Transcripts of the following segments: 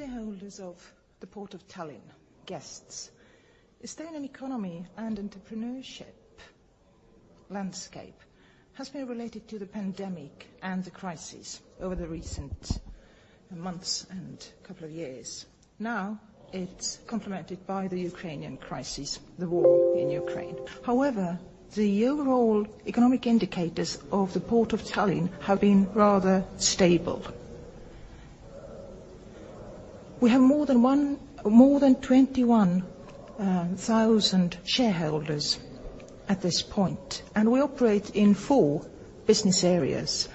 Shareholders of the Port of Tallinn, guests. Estonian economy and entrepreneurship landscape has been related to the pandemic and the crisis over the recent months and couple of years. It's complemented by the Ukrainian crisis, the war in Ukraine. The overall economic indicators of the Port of Tallinn have been rather stable. We have more than 21 thousand shareholders at this point, and we operate in four business areas: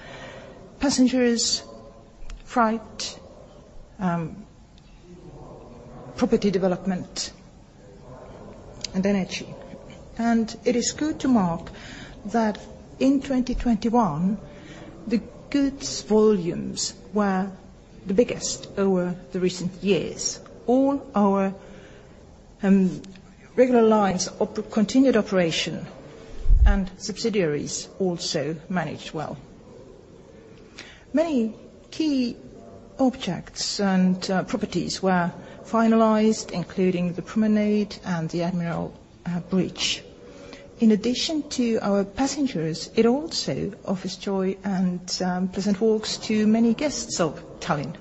passengers, freight, property development, and energy. It is good to mark that in 2021, the goods volumes were the biggest over the recent years. All our regular lines continued operation and subsidiaries also managed well. Many key objects and properties were finalized, including the promenade and the Admiral Bridge. In addition to our passengers, it also offers joy and pleasant walks to many guests of Tallinn.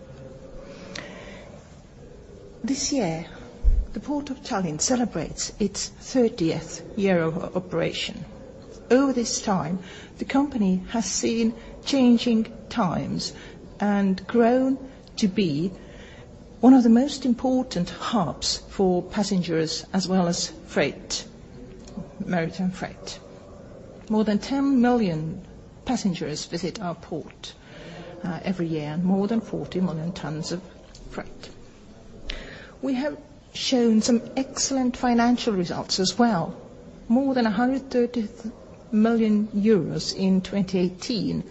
This year, the Port of Tallinn celebrates its 30th year of operation. Over this time, the company has seen changing times and grown to be one of the most important hubs for passengers as well as freight, maritime freight. More than 10 million passengers visit our port every year, and more than 40 million tons of freight. We have shown some excellent financial results as well. More than 130 million euros in 2018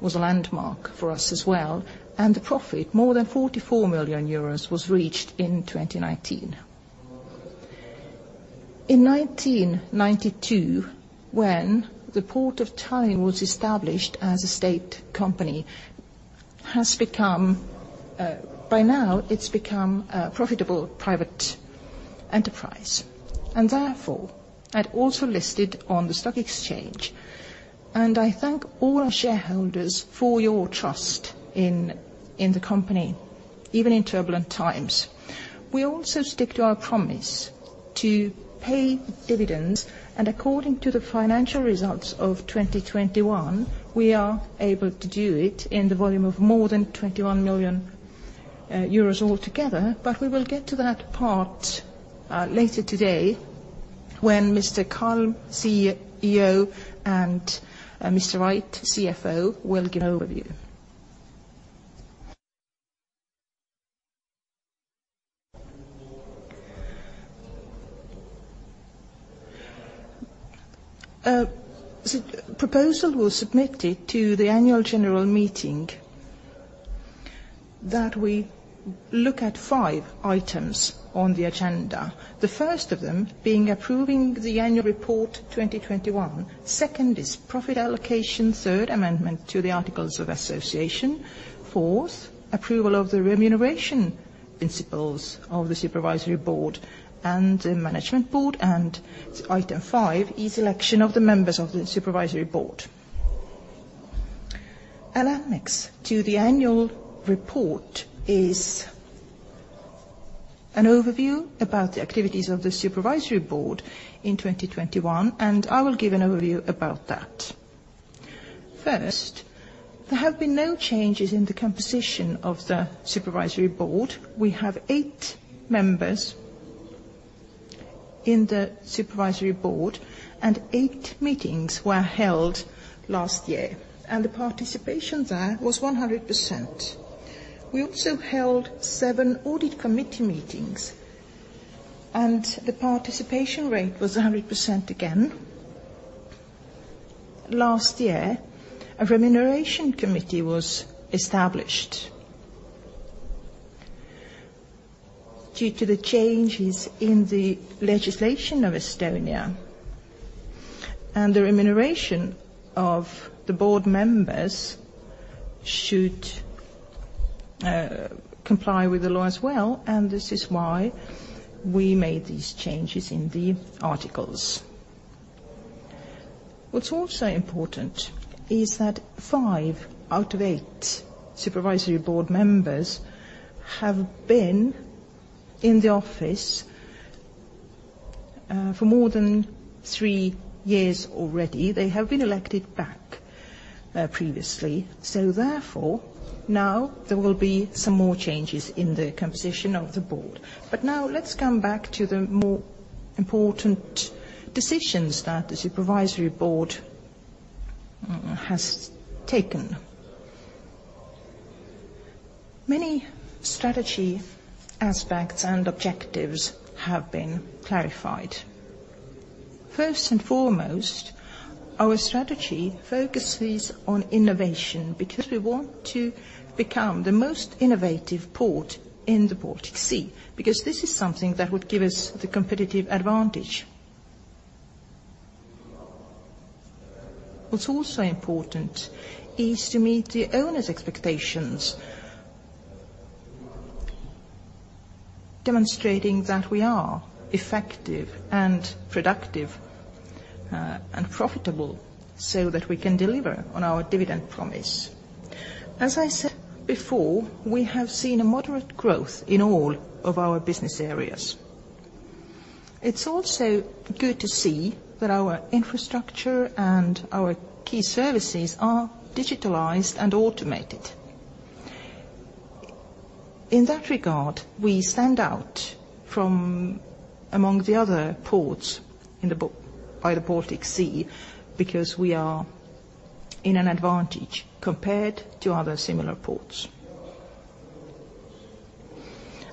was a landmark for us as well, and the profit, more than 44 million euros, was reached in 2019. In 1992, when the Port of Tallinn was established as a state company, by now it's become a profitable private enterprise, therefore, also listed on the stock exchange. I thank all our shareholders for your trust in the company, even in turbulent times. We also stick to our promise to pay dividends, according to the financial results of 2021, we are able to do it in the volume of more than 21 million euros altogether. We will get to that part later today when Mr. Kalm, CEO, and Mr. Ait, CFO, will give overview. A proposal was submitted to the annual general meeting that we look at five items on the agenda. The first of them being approving the annual report 2021. Second is profit allocation. Third, amendment to the articles of association. Fourth, approval of the remuneration principles of the supervisory board and the management board. Item five is election of the members of the supervisory board. Annexed to the annual report is an overview about the activities of the supervisory board in 2021, and I will give an overview about that. First, there have been no changes in the composition of the supervisory board. We have eight members in the supervisory board, and eight meetings were held last year, and the participation there was 100%. We also held seven audit committee meetings, and the participation rate was 100% again. Last year, a remuneration committee was established due to the changes in the legislation of Estonia, and the remuneration of the board members should comply with the law as well, and this is why we made these changes in the articles. What's also important is that five out of eight supervisory board members have been in the office for more than three years already. They have been elected back previously. Therefore, now there will be some more changes in the composition of the board. Now let's come back to the more important decisions that the supervisory board has taken. Many strategy aspects and objectives have been clarified. First and foremost, our strategy focuses on innovation because we want to become the most innovative port in the Baltic Sea, because this is something that would give us the competitive advantage. What's also important is to meet the owners' expectations, demonstrating that we are effective and productive and profitable so that we can deliver on our dividend promise. As I said before, we have seen a moderate growth in all of our business areas. It's also good to see that our infrastructure and our key services are digitalized and automated. In that regard, we stand out from among the other ports by the Baltic Sea, because we are in an advantage compared to other similar ports.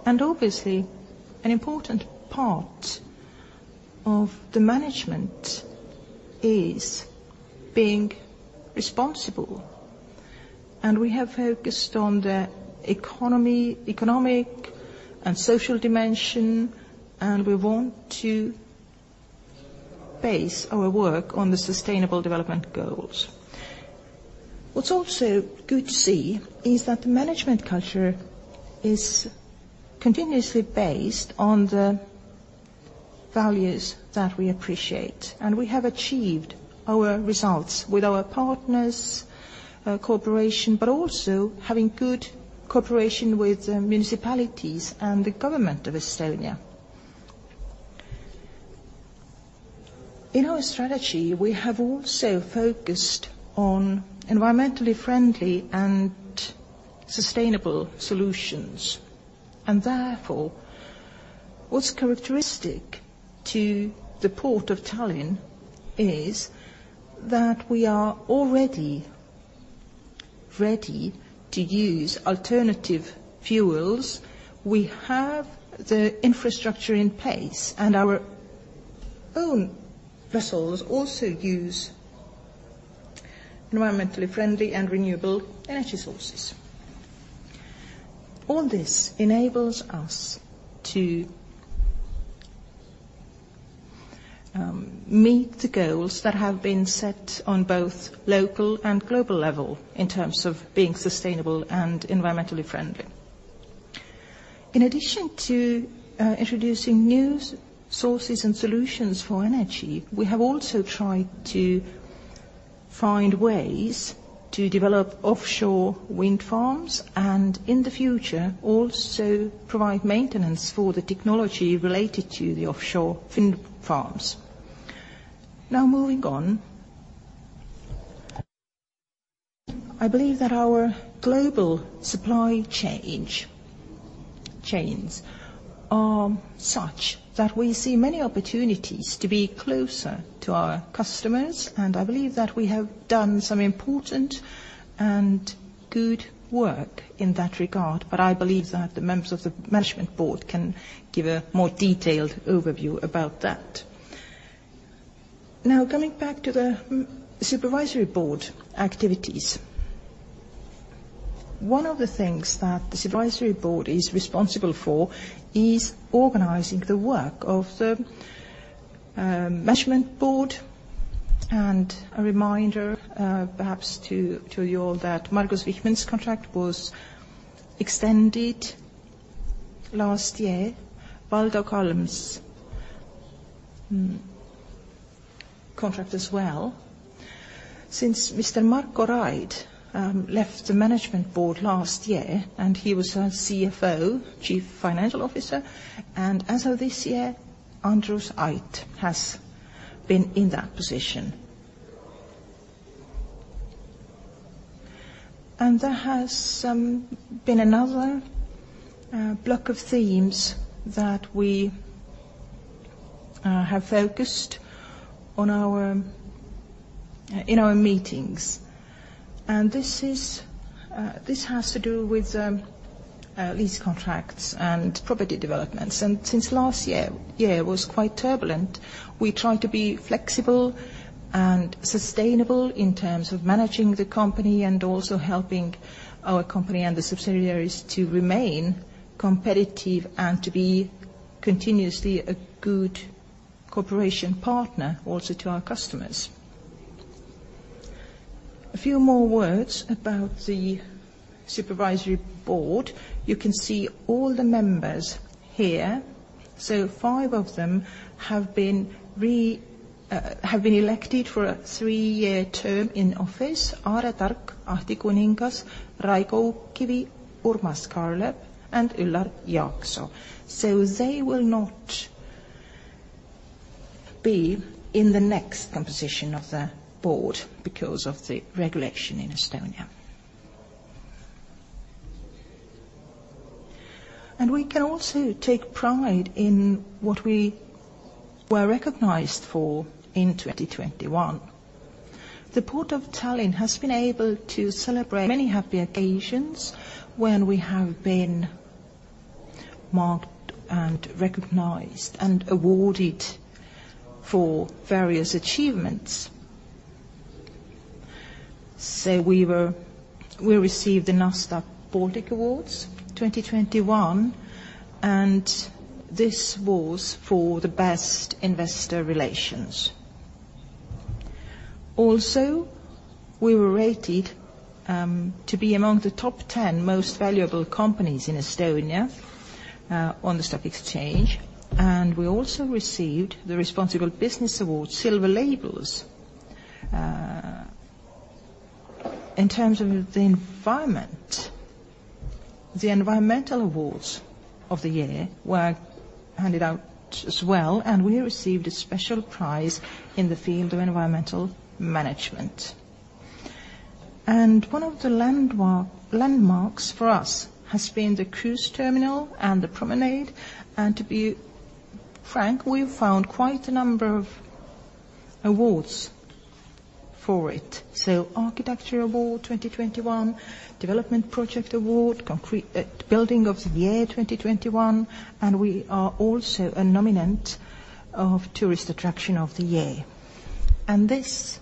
Obviously, an important part of the management is being responsible, we have focused on the economy, economic and social dimension, we want to base our work on the sustainable development goals. What's also good to see is that the management culture is continuously based on the values that we appreciate, we have achieved our results with our partners, cooperation, but also having good cooperation with the municipalities and the Government of Estonia. In our strategy, we have also focused on environmentally friendly and sustainable solutions, therefore, what's characteristic to the Port of Tallinn is that we are already ready to use alternative fuels. We have the infrastructure in place, our own vessels also use environmentally friendly and renewable energy sources. All this enables us to meet the goals that have been set on both local and global level in terms of being sustainable and environmentally friendly. In addition to introducing new sources and solutions for energy, we have also tried to find ways to develop offshore wind farms, and in the future, also provide maintenance for the technology related to the offshore wind farms. Moving on. I believe that our global supply chains are such that we see many opportunities to be closer to our customers, and I believe that we have done some important and good work in that regard, but I believe that the members of the management board can give a more detailed overview about that. Coming back to the supervisory board activities. One of the things that the supervisory board is responsible for is organizing the work of the management board. A reminder, perhaps to you all that Margus Vihman's contract was extended last year. Valdo Kalm's contract as well. Since Mr. Marko Raid left the management board last year, and he was our CFO, Chief Financial Officer, and as of this year, Andrus Ait has been in that position. There has been another block of themes that we have focused on in our meetings, and this has to do with lease contracts and property developments. Since last year was quite turbulent, we tried to be flexible and sustainable in terms of managing the company and also helping our company and the subsidiaries to remain competitive and to be continuously a good cooperation partner also to our customers. A few more words about the supervisory board. You can see all the members here. Five of them have been elected for a three-year term in office. Aare Tark, Ahti Kuningas, Raigo Uukkivi, Urmas Kaarlep, and Üllar Jaaksoo. They will not be in the next composition of the board because of the regulation in Estonia. We can also take pride in what we were recognized for in 2021. The Port of Tallinn has been able to celebrate many happy occasions when we have been marked and recognized and awarded for various achievements. We received the Nasdaq Baltic Awards 2021. This was for the best investor relations. We were rated to be among the top 10 most valuable companies in Estonia on the stock exchange. We also received the Responsible Business Award Silver Labels. In terms of the environment, the environmental awards of the year were handed out as well. We received a special prize in the field of environmental management. One of the landmarks for us has been the cruise terminal and the promenade. To be frank, we found quite a number of awards for it. Architecture Award 2021, Development Project Award, Estonian Concrete Building of the Year 2021, and we are also a nominee of Tourist Attraction of the Year. This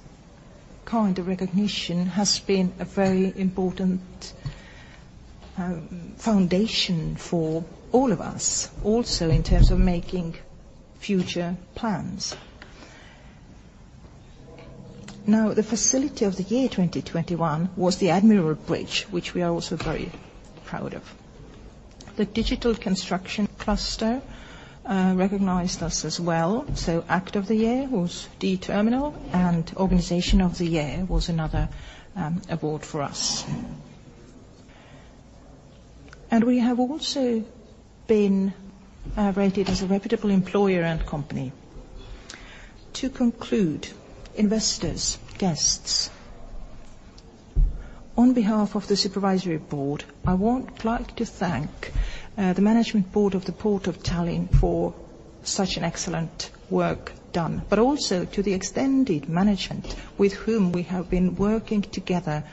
kind of recognition has been a very important foundation for all of us, also in terms of making future plans. The Facility of the Year 2021 was the Admiral Bridge, which we are also very proud of. The Estonian Digital Construction Cluster recognized us as well, so Act of the Year was D Terminal, and Organization of the Year was another award for us. We have also been rated as a reputable employer and company. To conclude, investors, guests, on behalf of the Supervisory Board, I like to thank the Management Board of the Port of Tallinn for such an excellent work done, but also to the extended management with whom we have been working together,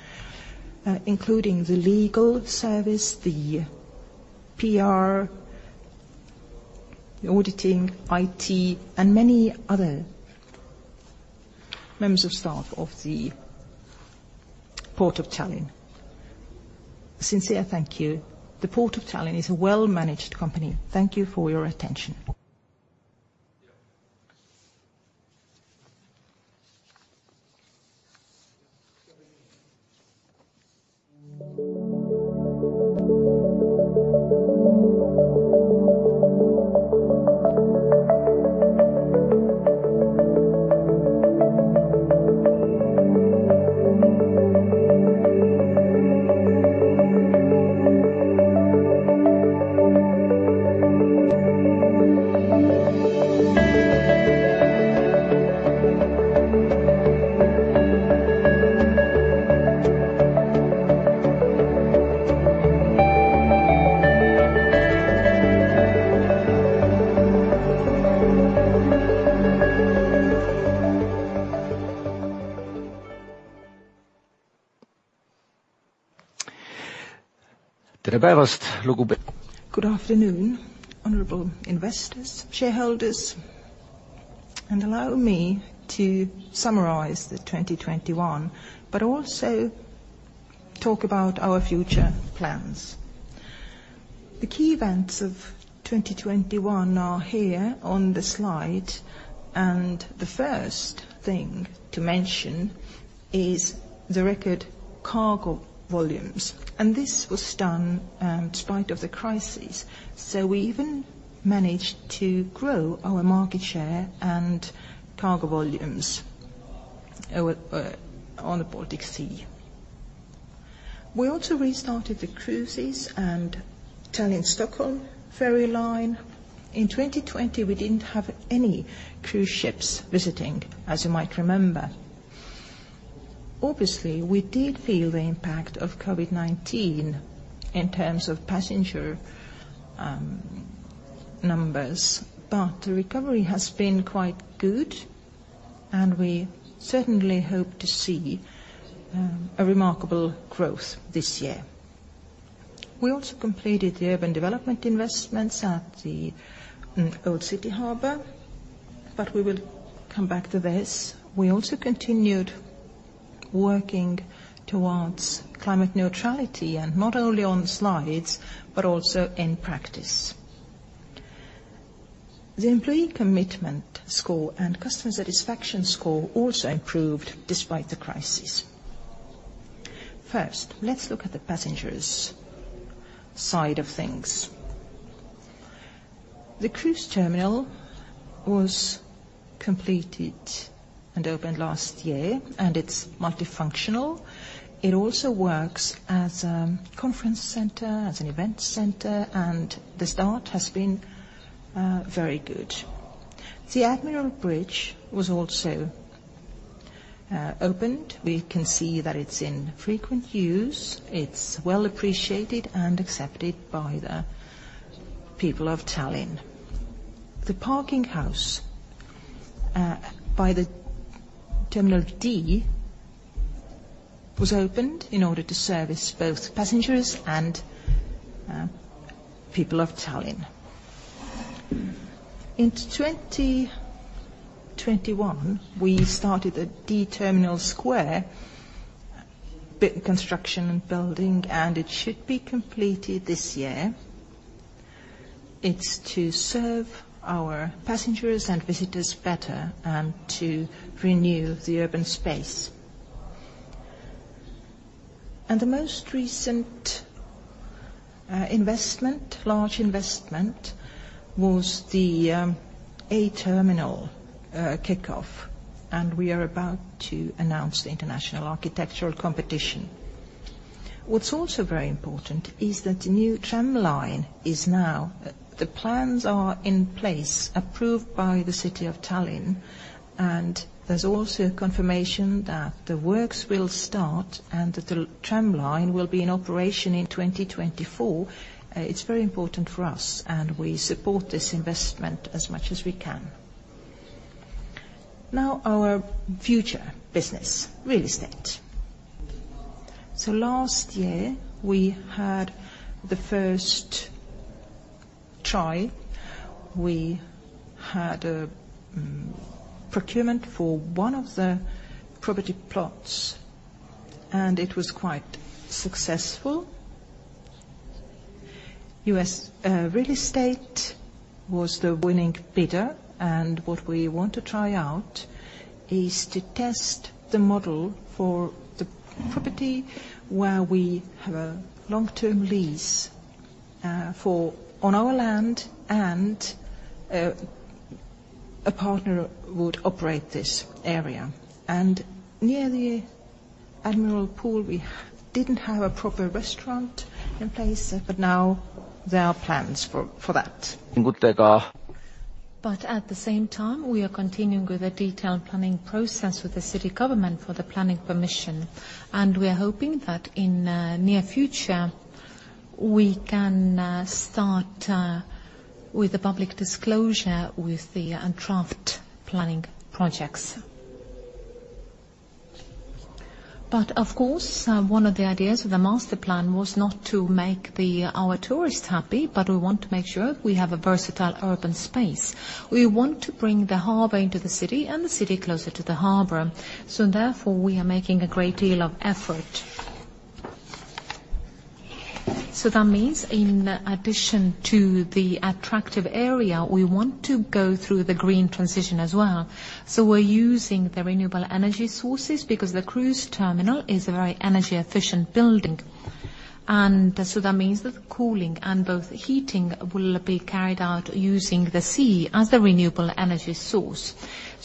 including the legal service, the PR, the auditing, IT, and many other members of staff of the Port of Tallinn. Sincere thank you. The Port of Tallinn is a well-managed company. Thank you for your attention. Good afternoon, honorable investors, shareholders, and allow me to summarize the 2021, but also talk about our future plans. The key events of 2021 are here on the slide, and the first thing to mention is the record cargo volumes. This was done in spite of the crisis, so we even managed to grow our market share and cargo volumes on the Baltic Sea. We also restarted the cruises and Tallinn-Stockholm ferry line. In 2020, we didn't have any cruise ships visiting, as you might remember. We did feel the impact of COVID-19 in terms of passenger numbers, but the recovery has been quite good, and we certainly hope to see a remarkable growth this year. We also completed the urban development investments at the Old City Harbour, we will come back to this. We also continued working towards climate neutrality not only on slides, but also in practice. The employee commitment score and customer satisfaction score also improved despite the crisis. First, let's look at the passengers' side of things. The cruise terminal was completed and opened last year, it's multifunctional. It also works as a conference center, as an event center, the start has been very good. The Admiral Bridge was also opened. We can see that it's in frequent use. It's well appreciated and accepted by the people of Tallinn. The parking house by the terminal D was opened in order to service both passengers and people of Tallinn. In 2021, we started a D Terminal Square construction and building, and it should be completed this year. It's to serve our passengers and visitors better and to renew the urban space. The most recent large investment was the A Terminal kickoff, and we are about to announce the international architectural competition. What's also very important is that the new tramline plans are in place, approved by the City of Tallinn, and there's also a confirmation that the works will start and that the tramline will be in operation in 2024. It's very important for us, and we support this investment as much as we can. Our future business, real estate. Last year, we had the first try. We had a procurement for one of the property plots, and it was quite successful. Uus-Sadama Arenduse OÜ was the winning bidder. What we want to try out is to test the model for the property where we have a long-term lease on our land and a partner would operate this area. Near the Admiralty Basin, we didn't have a proper restaurant in place, but now there are plans for that. At the same time, we are continuing with the detailed planning process with the City of Tallinn for the planning permission. We are hoping that in near future, we can start with the public disclosure with the undraft planning projects. Of course, one of the ideas for the master plan was not to make our tourists happy, but we want to make sure we have a versatile urban space. We want to bring the harbor into the city and the city closer to the harbor, therefore, we are making a great deal of effort. That means in addition to the attractive area, we want to go through the green transition as well. We're using the renewable energy sources because the cruise terminal is a very energy-efficient building, that means that the cooling and both heating will be carried out using the sea as a renewable energy source.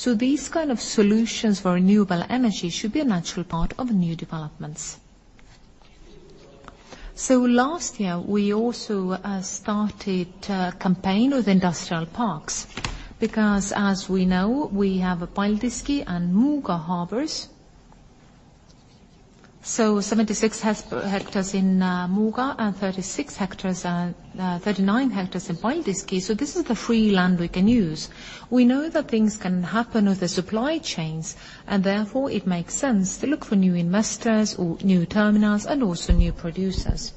These kind of solutions for renewable energy should be a natural part of new developments. Last year, we also started a campaign with industrial parks because as we know, we have Paldiski and Muuga Harbors. 76 hectares in Muuga and 36 hectares and 39 hectares in Paldiski, this is the free land we can use. We know that things can happen with the supply chains, and therefore it makes sense to look for new investors or new terminals and also new producers.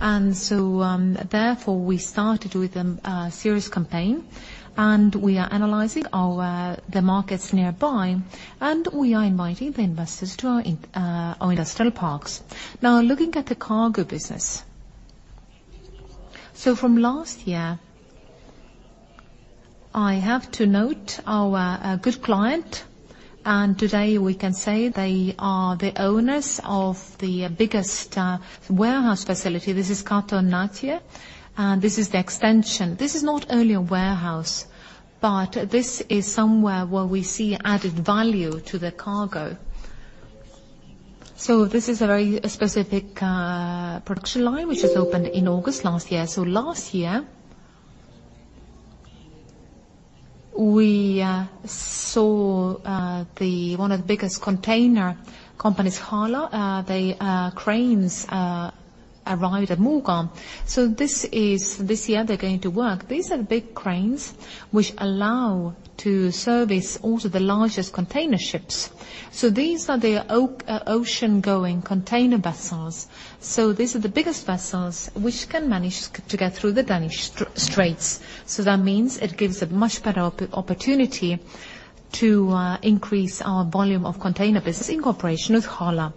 Therefore, we started with a serious campaign, and we are analyzing our, the markets nearby, and we are inviting the investors to our industrial parks. Looking at the cargo business. From last year, I have to note our good client, and today we can say they are the owners of the biggest warehouse facility. This is Katoen Natie, and this is the extension. This is not only a warehouse, but this is somewhere where we see added value to the cargo. This is a very specific production line which was opened in August last year. Last year, we saw the one of the biggest container companies, HHLA, their cranes arrive at Muuga. This year, they're going to work. These are big cranes which allow to service also the largest container ships. These are the oceangoing container vessels. These are the biggest vessels which can manage to get through the Danish Straits. That means it gives a much better opportunity to increase our volume of container business in cooperation with HHLA.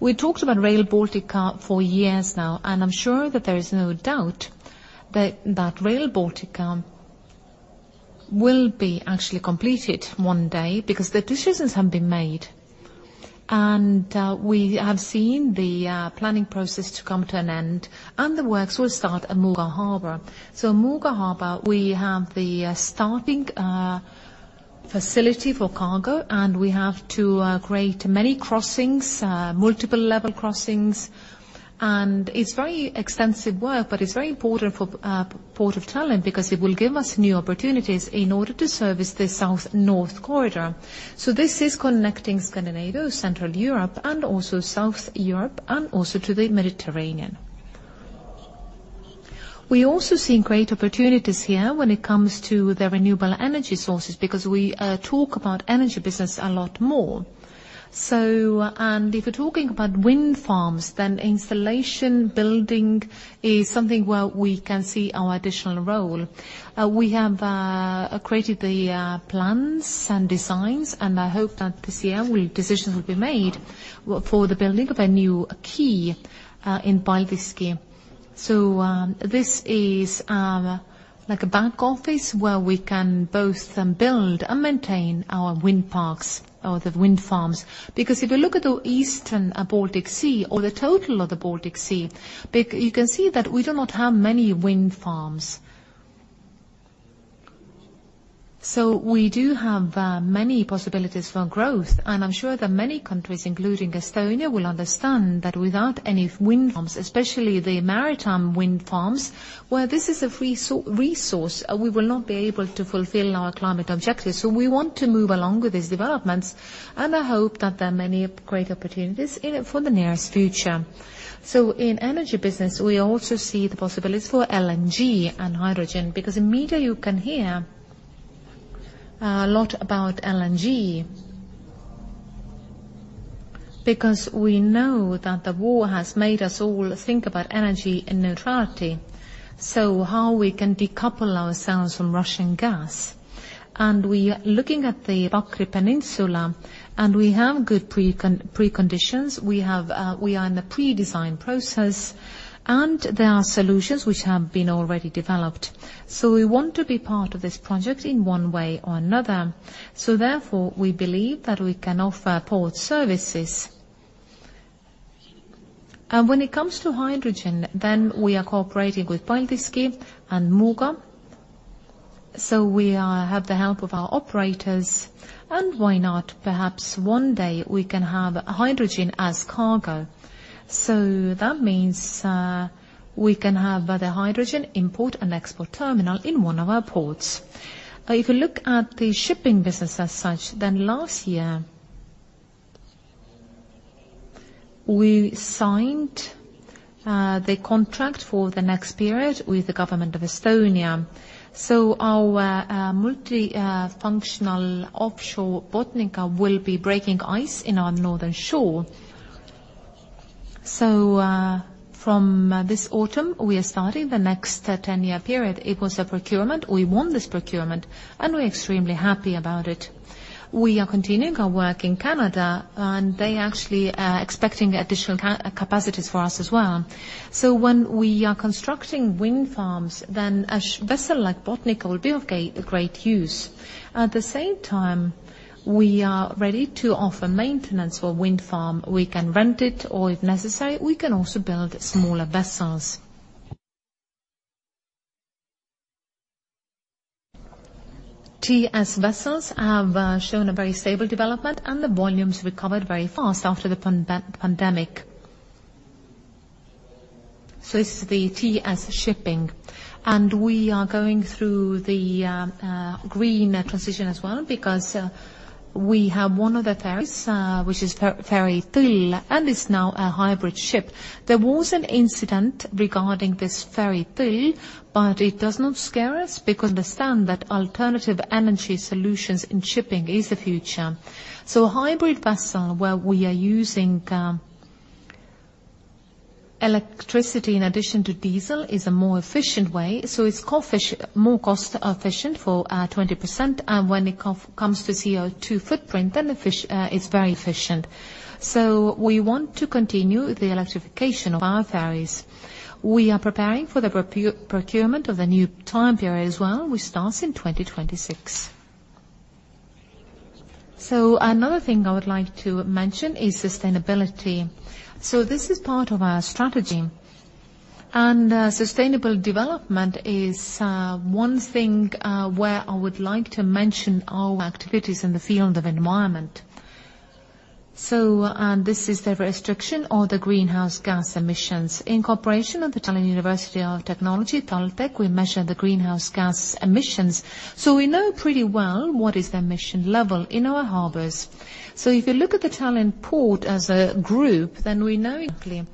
We talked about Rail Baltica for years now, and I'm sure that there is no doubt that that Rail Baltica will be actually completed one day because the decisions have been made. We have seen the planning process to come to an end, and the works will start at Muuga Harbor. Muuga Harbor, we have the starting facility for cargo, and we have to create many crossings, multiple level crossings, and it's very extensive work, but it's very important for Port of Tallinn because it will give us new opportunities in order to service the south-north corridor. This is connecting Scandinavia, Central Europe, and also South Europe and also to the Mediterranean. We also see great opportunities here when it comes to the renewable energy sources because we talk about energy business a lot more. If we're talking about wind farms, then installation building is something where we can see our additional role. We have created the plans and designs, and I hope that this year decisions will be made for the building of a new quay in Paldiski. This is like a back office where we can both build and maintain our wind parks or the wind farms. Because if you look at the eastern Baltic Sea or the total of the Baltic Sea, you can see that we do not have many wind farms. We do have many possibilities for growth, and I'm sure that many countries, including Estonia, will understand that without any wind farms, especially the maritime wind farms, where this is a free resource, we will not be able to fulfill our climate objectives. We want to move along with these developments, and I hope that there are many great opportunities in it for the nearest future. In energy business, we also see the possibilities for LNG and hydrogen because in media you can hear a lot about LNG. We know that the war has made us all think about energy and neutrality, how we can decouple ourselves from Russian gas. We are looking at the Pakri Peninsula, we have good preconditions. We are in the pre-design process, there are solutions which have been already developed. We want to be part of this project in one way or another. Therefore, we believe that we can offer port services. When it comes to hydrogen, we are cooperating with Paldiski and Muuga. We have the help of our operators, why not? Perhaps one day we can have hydrogen as cargo. That means we can have the hydrogen import and export terminal in one of our ports. If you look at the shipping business as such, then last year we signed the contract for the next period with the government of Estonia. Our multifunctional offshore Botnica will be breaking ice in our northern shore. From this autumn, we are starting the next 10-year period. It was a procurement. We won this procurement, and we're extremely happy about it. We are continuing our work in Canada, and they actually are expecting additional capacities for us as well. When we are constructing wind farms, then a vessel like Botnica will be of great use. At the same time, we are ready to offer maintenance for wind farm. We can rent it or, if necessary, we can also build smaller vessels. TS vessels have shown a very stable development. The volumes recovered very fast after the pandemic. This is the TS shipping. We are going through the green transition as well because we have one of the ferries, which is ferry Tõll. It is now a hybrid ship. There was an incident regarding this ferry Tõll. We understand that alternative energy solutions in shipping is the future. A hybrid vessel where we are using electricity in addition to diesel is a more efficient way. It is more cost efficient for 20%. When it comes to CO2 footprint, it is very efficient. We want to continue the electrification of our ferries. We are preparing for the procurement of the new time period as well, which starts in 2026. Another thing I would like to mention is sustainability. This is part of our strategy. Sustainable development is one thing where I would like to mention our activities in the field of environment. This is the restriction of the greenhouse gas emissions. In cooperation with the Tallinn University of Technology, TalTech, we measure the greenhouse gas emissions, so we know pretty well what is the emission level in our harbors. If you look at the Tallinn Port as a group, then we know exactly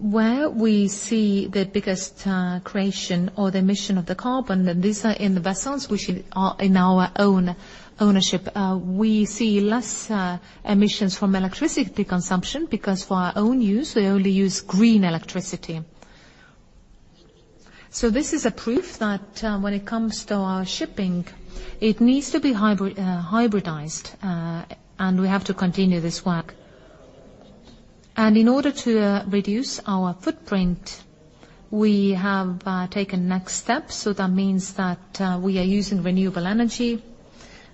where we see the biggest creation or the emission of the carbon, and these are in the vessels which are in our own ownership. We see less emissions from electricity consumption because for our own use, we only use green electricity. This is a proof that when it comes to our shipping, it needs to be hybridized, and we have to continue this work. In order to reduce our footprint, we have taken next steps, so that means that we are using renewable energy.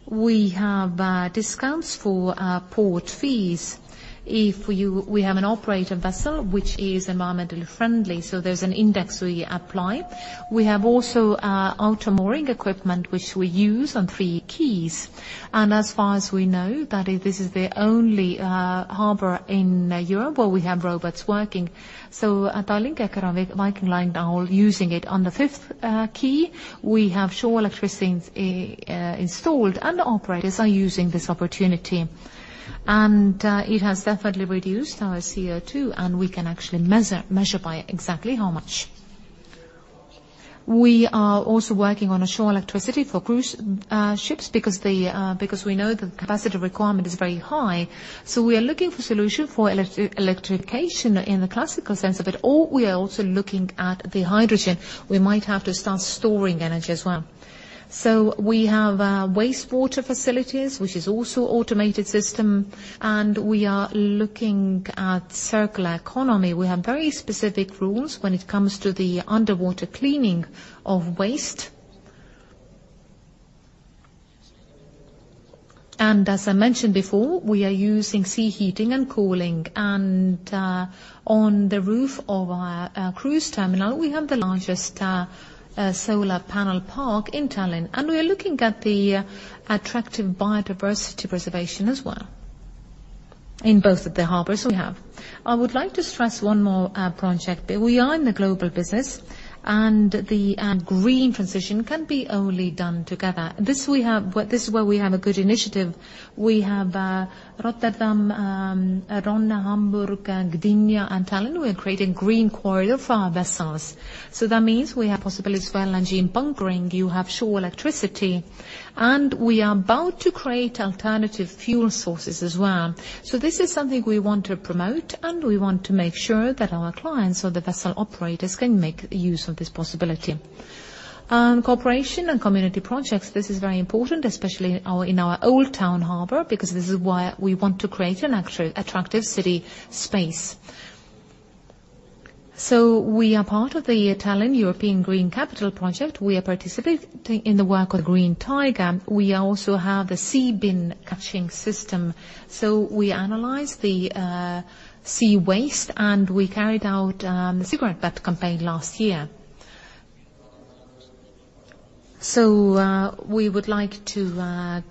We have discounts for port fees if you we have an operator vessel which is environmentally friendly, so there's an index we apply. We have also automoring equipment which we use on three quays. As far as we know, this is the only harbor in Europe where we have robots working. At Tallink, Eckerö, Viking Line, they're all using it on the fifth quay. We have shore electricity installed, operators are using this opportunity. It has definitely reduced our CO2, and we can actually measure by exactly how much. We are also working on a shore electricity for cruise ships because we know the capacity requirement is very high. We are looking for solution for electrification in the classical sense of it, or we are also looking at the hydrogen. We might have to start storing energy as well. We have wastewater facilities, which is also automated system, and we are looking at circular economy. We have very specific rules when it comes to the underwater cleaning of waste. As I mentioned before, we are using sea heating and cooling. On the roof of our cruise terminal, we have the largest solar panel park in Tallinn. We are looking at the attractive biodiversity preservation as well in both of the harbors we have. I would like to stress one more project. We are in the global business, the green transition can be only done together. This is where we have a good initiative. We have Rotterdam, Rønne, Hamburg, Gdynia, and Tallinn. We are creating green corridor for our vessels. That means we have possibilities for LNG bunkering. You have shore electricity. We are about to create alternative fuel sources as well. This is something we want to promote, and we want to make sure that our clients or the vessel operators can make use of this possibility. Cooperation and community projects, this is very important, especially in our, in our Old City Harbour, because this is where we want to create an attractive city space. We are part of the Tallinn European Green Capital. We are participating in the work of the Green Tiger. We also have the Seabin catching system. We analyze the sea waste, and we carried out the cigarette butt campaign last year. We would like to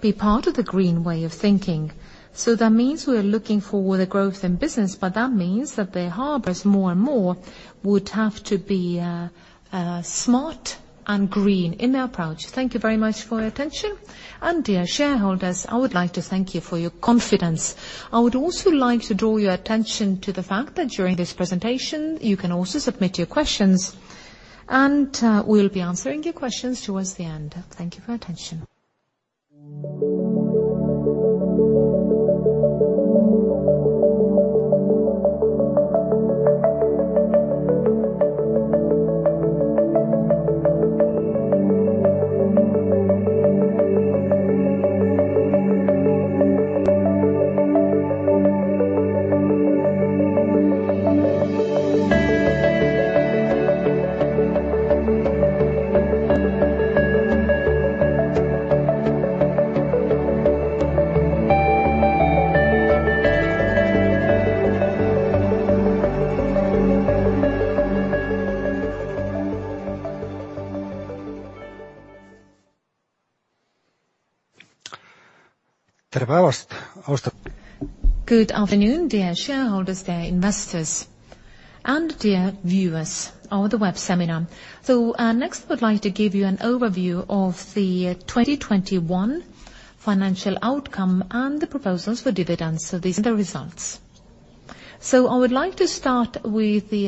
be part of the green way of thinking. That means we are looking for the growth in business, but that means that the harbors more and more would have to be smart and green in their approach. Thank you very much for your attention. Dear shareholders, I would like to thank you for your confidence. I would also like to draw your attention to the fact that during this presentation, you can also submit your questions, and we'll be answering your questions towards the end. Thank you for your attention. Good afternoon, dear shareholders, dear investors, and dear viewers of the web seminar. Next I would like to give you an overview of the 2021 financial outcome and the proposals for dividends. These are the results. I would like to start with the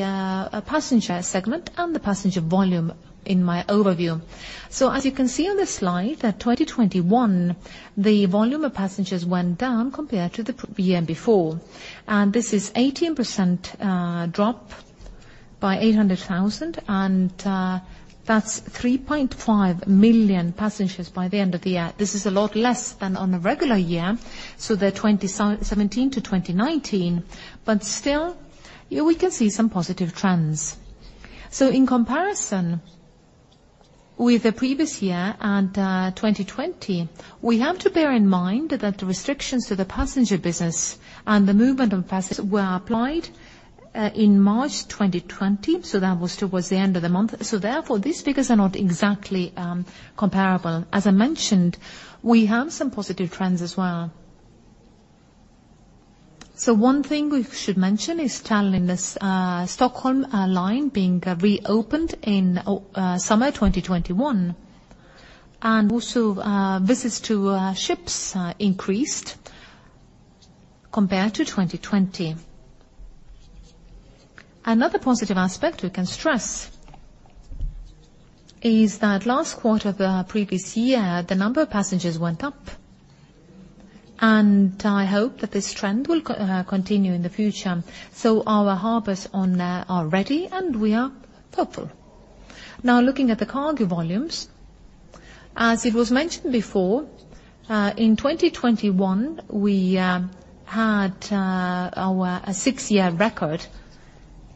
passenger segment and the passenger volume in my overview. As you can see on this slide, 2021, the volume of passengers went down compared to the year before. This is an 18% drop by 800,000, and that's 3.5 million passengers by the end of the year. This is a lot less than on a regular year, the 17 to 2019. Still, here we can see some positive trends. In comparison with the previous year and 2020, we have to bear in mind that the restrictions to the passenger business and the movement of passengers were applied in March 2020, that was towards the end of the month. Therefore, these figures are not exactly comparable. As I mentioned, we have some positive trends as well. One thing we should mention is Tallinn-Stockholm line being reopened in summer 2021. Also, visits to ships increased compared to 2020. Another positive aspect we can stress is that last quarter of the previous year, the number of passengers went up, and I hope that this trend will continue in the future. Our harbors on there are ready, and we are hopeful. Looking at the cargo volumes. As it was mentioned before, in 2021, we had our six-year record,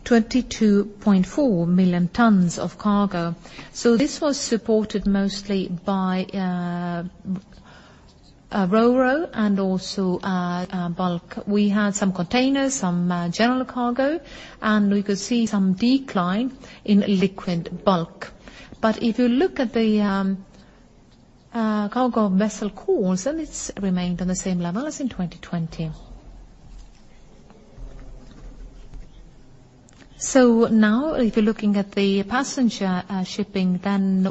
22.4 million tons of cargo. This was supported mostly by a Ro-Ro and also bulk. We had some containers, some general cargo, and we could see some decline in liquid bulk. If you look at the cargo vessel calls, it's remained on the same level as in 2020. If you're looking at the passenger shipping,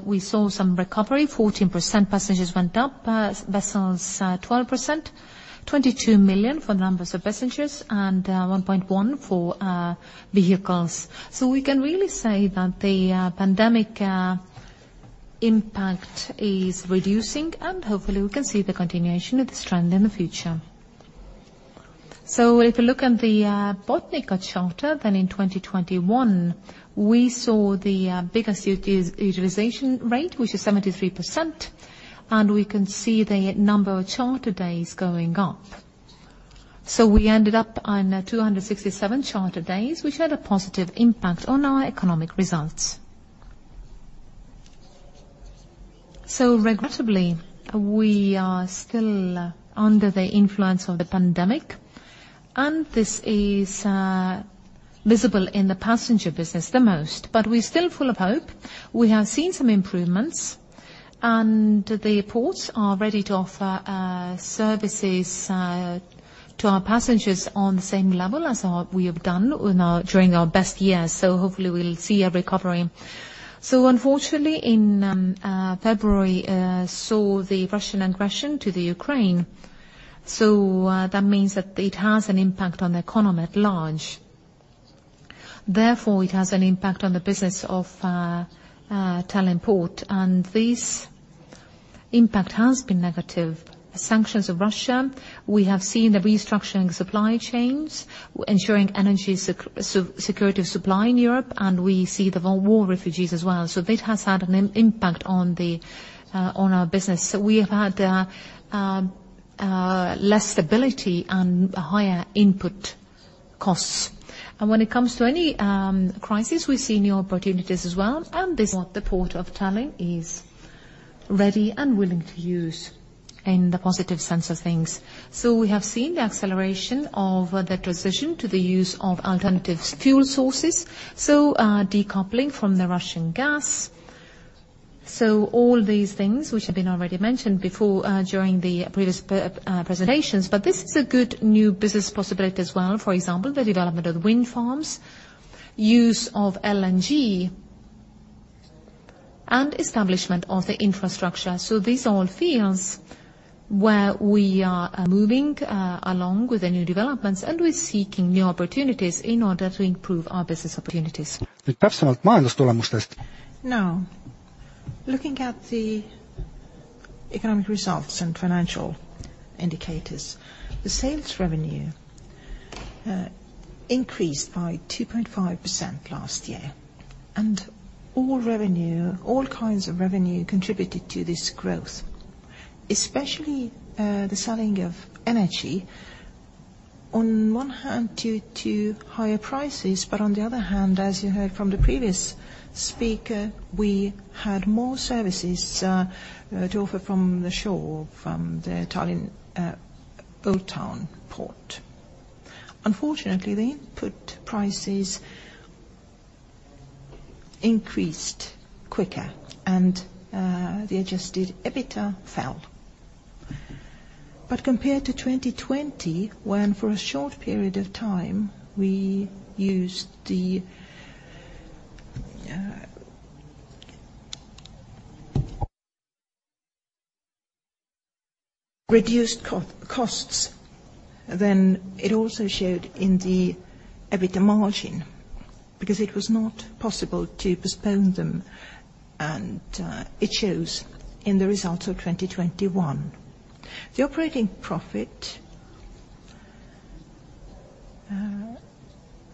we saw some recovery. 14% passengers went up, vessels 12%. 22 million for numbers of passengers and 1.1 for vehicles. We can really say that the pandemic impact is reducing, and hopefully we can see the continuation of this trend in the future. If you look at the Botnica charter, then in 2021 we saw the bigger utilization rate, which is 73%, and we can see the number of charter days going up. We ended up on 267 charter days, which had a positive impact on our economic results. Regrettably, we are still under the influence of the pandemic, and this is visible in the passenger business the most. We're still full of hope. We have seen some improvements, and the ports are ready to offer services to our passengers on the same level as we have done during our best years, hopefully we'll see a recovery. Unfortunately, in February, saw the Russian aggression to the Ukraine, that means that it has an impact on the economy at large, therefore it has an impact on the business of the Port of Tallinn, and this impact has been negative. As sanctions of Russia, we have seen the restructuring supply chains ensuring energy security of supply in Europe, and we see the war refugees as well. That has had an impact on our business. We have had less stability and higher input costs. When it comes to any crisis, we've seen new opportunities as well, and this is what the Port of Tallinn is ready and willing to use in the positive sense of things. We have seen the acceleration of the transition to the use of alternatives fuel sources, decoupling from the Russian gas. All these things which have been already mentioned before, during the previous presentations, but this is a good new business possibility as well. For example, the development of wind farms, use of LNG, and establishment of the infrastructure. These are all fields where we are moving along with the new developments, and we're seeking new opportunities in order to improve our business opportunities. Now, looking at the economic results and financial indicators, the sales revenue increased by 2.5% last year, all revenue, all kinds of revenue contributed to this growth, especially the selling of energy on one hand due to higher prices, but on the other hand, as you heard from the previous speaker, we had more services to offer from the shore, from the Tallinn Old Town port. Unfortunately, the input prices increased quicker, the adjusted EBITDA fell. Compared to 2020, when for a short period of time we used the reduced costs, then it also showed in the EBITDA margin because it was not possible to postpone them, it shows in the results of 2021. The operating profit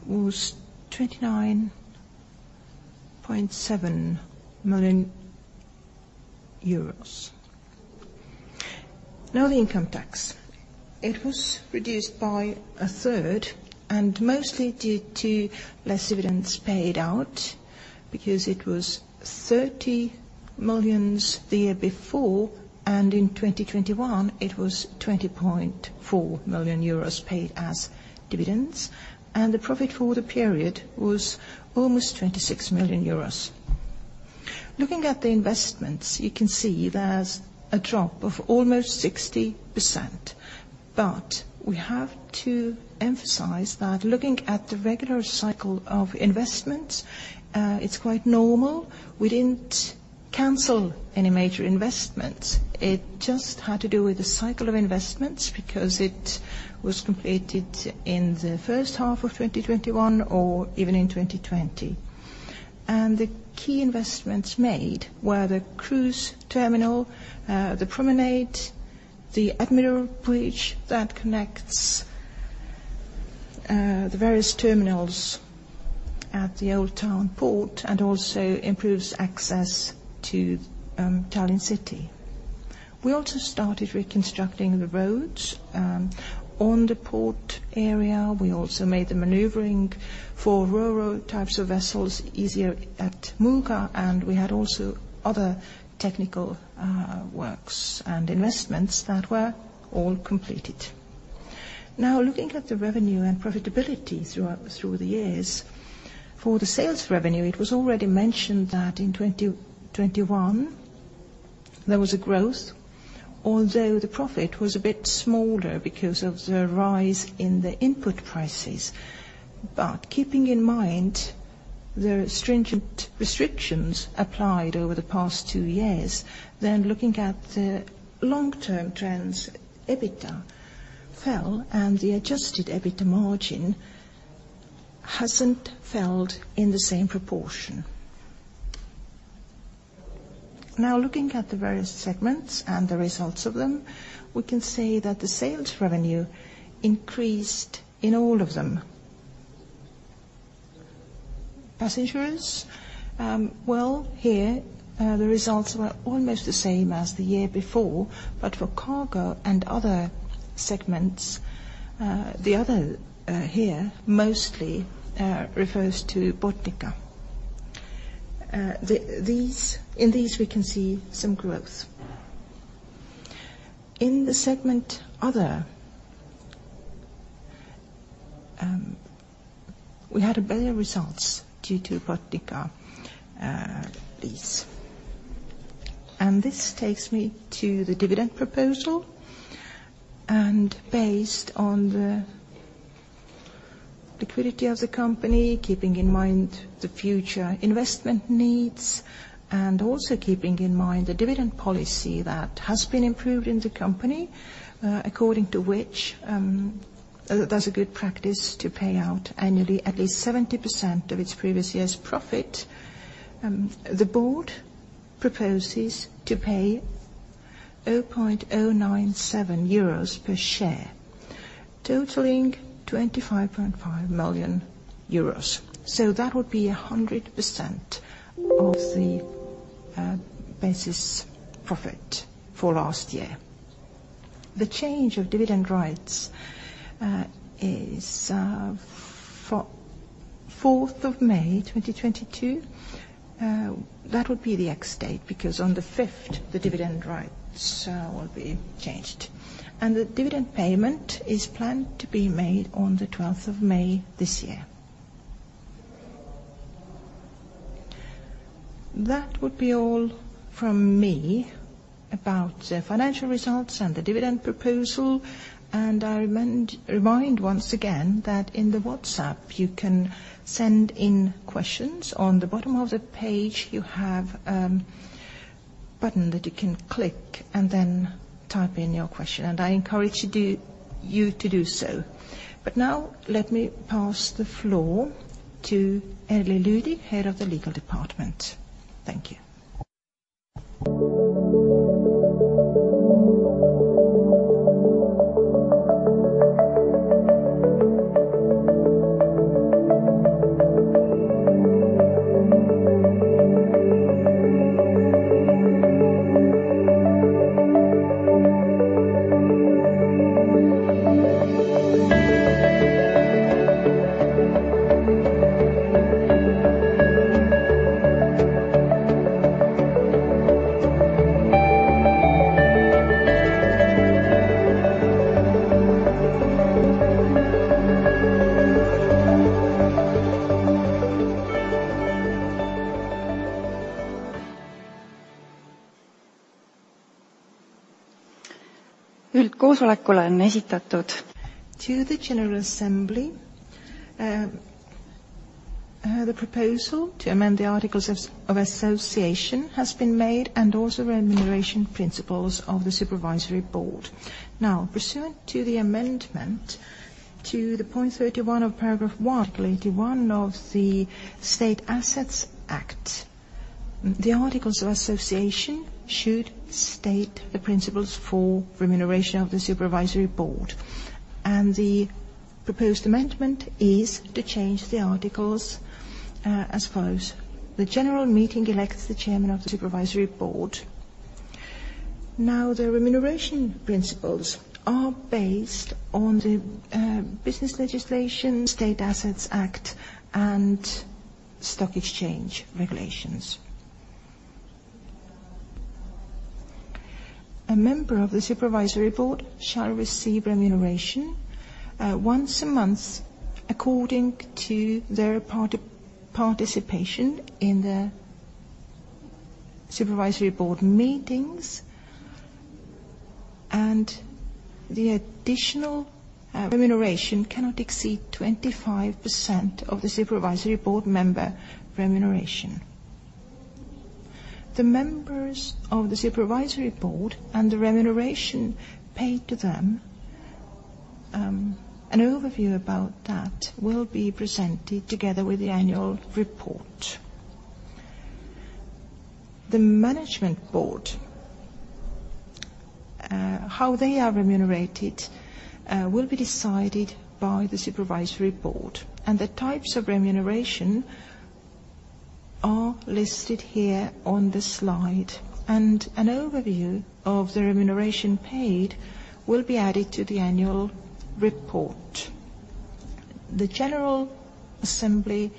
was EUR 29.7 million. The income tax, it was reduced by a third, and mostly due to less dividends paid out because it was 30 million the year before, and in 2021 it was 20.4 million euros paid as dividends, and the profit for the period was almost 26 million euros. Looking at the investments, you can see there's a drop of almost 60%. We have to emphasize that looking at the regular cycle of investments, it's quite normal. We didn't cancel any major investments. It just had to do with the cycle of investments because it was completed in the first half of 2021 or even in 2020. The key investments made were the cruise terminal, the promenade, the Admiral Bridge that connects the various terminals at the Old City Harbour and also improves access to the City of Tallinn. We also started reconstructing the roads on the port area. We also made the maneuvering for Ro-Ro types of vessels easier at Muuga, and we had also other technical works and investments that were all completed. Now, looking at the revenue and profitability throughout through the years, for the sales revenue, it was already mentioned that in 2021 there was a growth, although the profit was a bit smaller because of the rise in the input prices. Keeping in mind the stringent restrictions applied over the past 2 years, then looking at the long-term trends, EBITDA fell, and the adjusted EBITDA margin. Hasn't fell in the same proportion. Looking at the various segments and the results of them, we can say that the sales revenue increased in all of them. Passengers, here, the results were almost the same as the year before, but for cargo and other segments, the other here mostly refers to Botnica. In these, we can see some growth. In the segment other, we had better results due to Botnica lease. This takes me to the dividend proposal. Based on the liquidity of the company, keeping in mind the future investment needs, and also keeping in mind the dividend policy that has been improved in the company, according to which, that's a good practice to pay out annually at least 70% of its previous year's profit. The board proposes to pay 0.097 euros per share, totaling 25.5 million euros. That would be 100% of the basis profit for last year. The change of dividend rights is the fourth of May 2022. That would be the ex-date because on the fifth, the dividend rights will be changed. The dividend payment is planned to be made on the May 12 this year. That would be all from me about the financial results and the dividend proposal. I remind once again that in the WhatsApp you can send in questions. On the bottom of the page you have a button that you can click and then type in your question, and I encourage you to do so. Now let me pass the floor to Erly Lüdig, Head of the Legal Department. Thank you. To the general assembly, the proposal to amend the articles of association has been made and also remuneration principles of the Supervisory Board. Pursuant to the amendment to the point 31 of paragraph one, article 81 of the State Assets Act, the articles of association should state the principles for remuneration of the Supervisory Board. The proposed amendment is to change the articles as follows: The General Meeting elects the Chairman of the Supervisory Board. The remuneration principles are based on the business legislation, State Assets Act, and stock exchange regulations. A member of the supervisory board shall receive remuneration once a month according to their participation in the supervisory board meetings and the additional remuneration cannot exceed 25% of the supervisory board member remuneration. The members of the supervisory board and the remuneration paid to them, an overview about that will be presented together with the annual report. The management board, how they are remunerated, will be decided by the supervisory board and the types of remuneration are listed here on the slide. An overview of the remuneration paid will be added to the annual report. The general assembly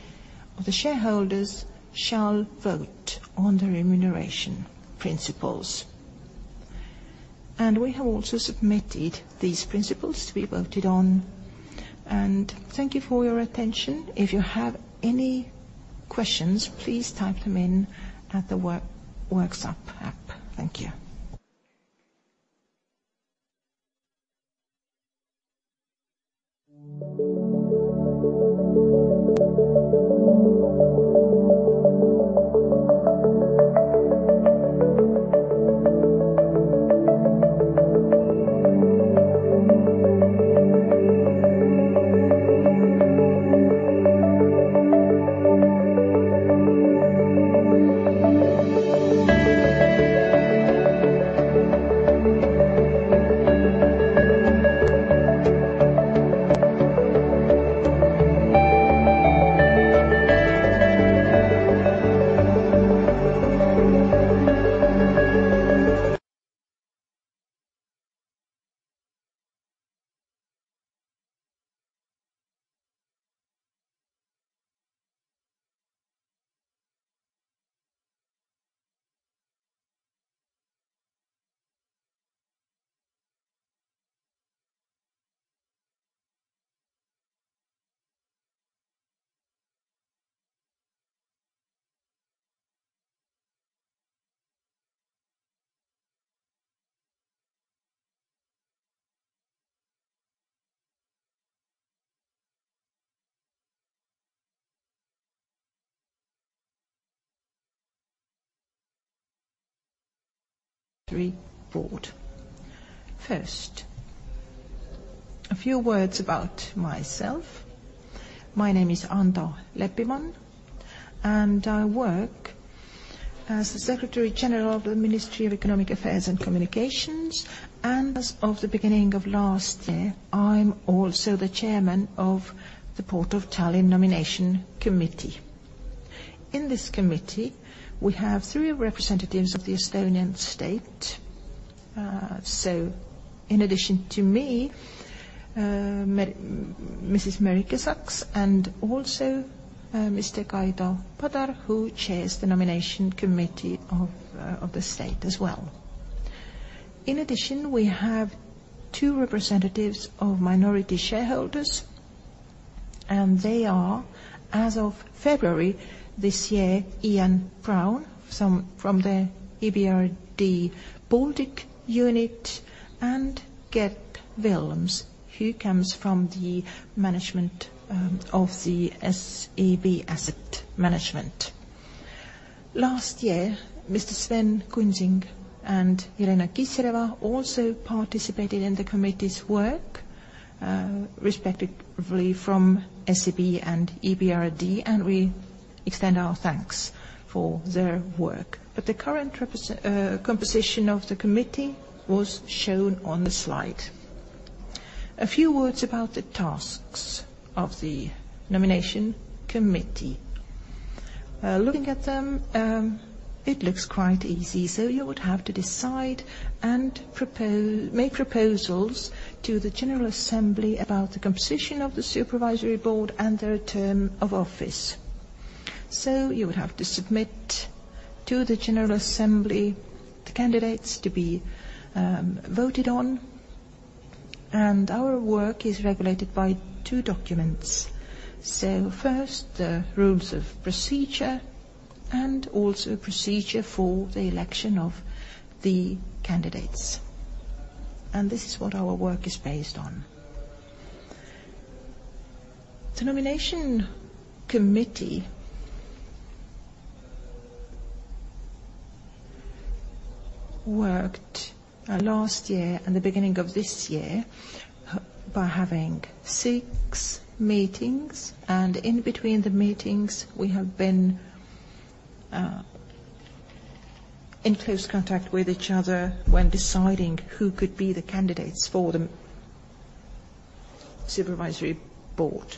of the shareholders shall vote on the remuneration principles. We have also submitted these principles to be voted on. Thank you for your attention. If you have any questions, please type them in at the WhatsApp app. Thank you. Board. First, a few words about myself. My name is Ando Leppiman, and I work as the Secretary General of the Ministry of Economic Affairs and Communications, and as of the beginning of last year, I'm also the Chairman of the Port of Tallinn Nomination Committee. In this committee, we have three representatives of the Estonian state. In addition to me, Merike Saks and also Mr. Kaido Padar, who chairs the nomination committee of the state as well. In addition, we have two representatives of minority shareholders, and they are, as of February this year, Ian Brown from the EBRD Baltic unit, and Gert Vilms, who comes from the management of the SEB Asset Management. Last year, Mr. Sven Kunsing and Jelena Kiseleva also participated in the committee's work, respectively from SEB and EBRD, and we extend our thanks for their work. The current composition of the committee was shown on the slide. A few words about the tasks of the nomination committee. Looking at them, it looks quite easy. You would have to decide and make proposals to the General Assembly about the composition of the Supervisory Board and their term of office. You would have to submit to the General Assembly the candidates to be voted on. Our work is regulated by two documents. First, the rules of procedure and also procedure for the election of the candidates. This is what our work is based on. The nomination committee worked last year and the beginning of this year by having six meetings, and in between the meetings, we have been in close contact with each other when deciding who could be the candidates for the supervisory board.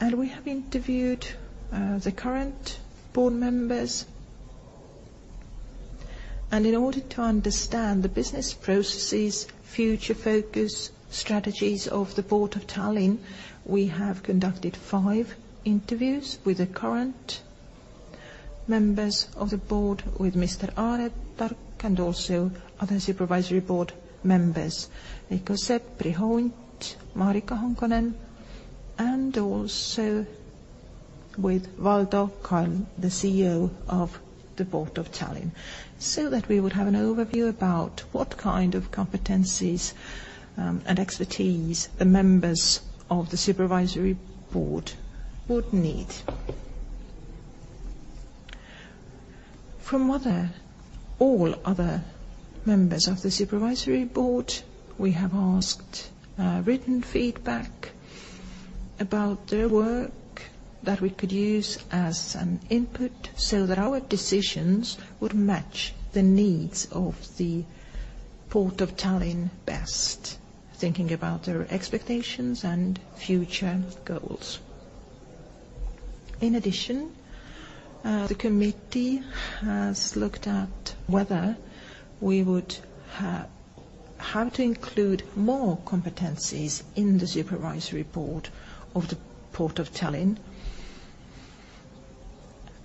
We have interviewed the current board members. In order to understand the business processes, future focus, strategies of the Port of Tallinn, we have conducted 5 interviews with the current members of the board, with Mr. Aare Tark and also other supervisory board members, Veiko Sepp, Riho Unt, Maarika Honkonen, and also with Valdo Kalm, the CEO of the Port of Tallinn, so that we would have an overview about what kind of competencies and expertise the members of the supervisory board would need. From other all other members of the supervisory board, we have asked written feedback about their work that we could use as an input so that our decisions would match the needs of the Port of Tallinn best, thinking about their expectations and future goals. In addition, the committee has looked at how to include more competencies in the supervisory board of the Port of Tallinn.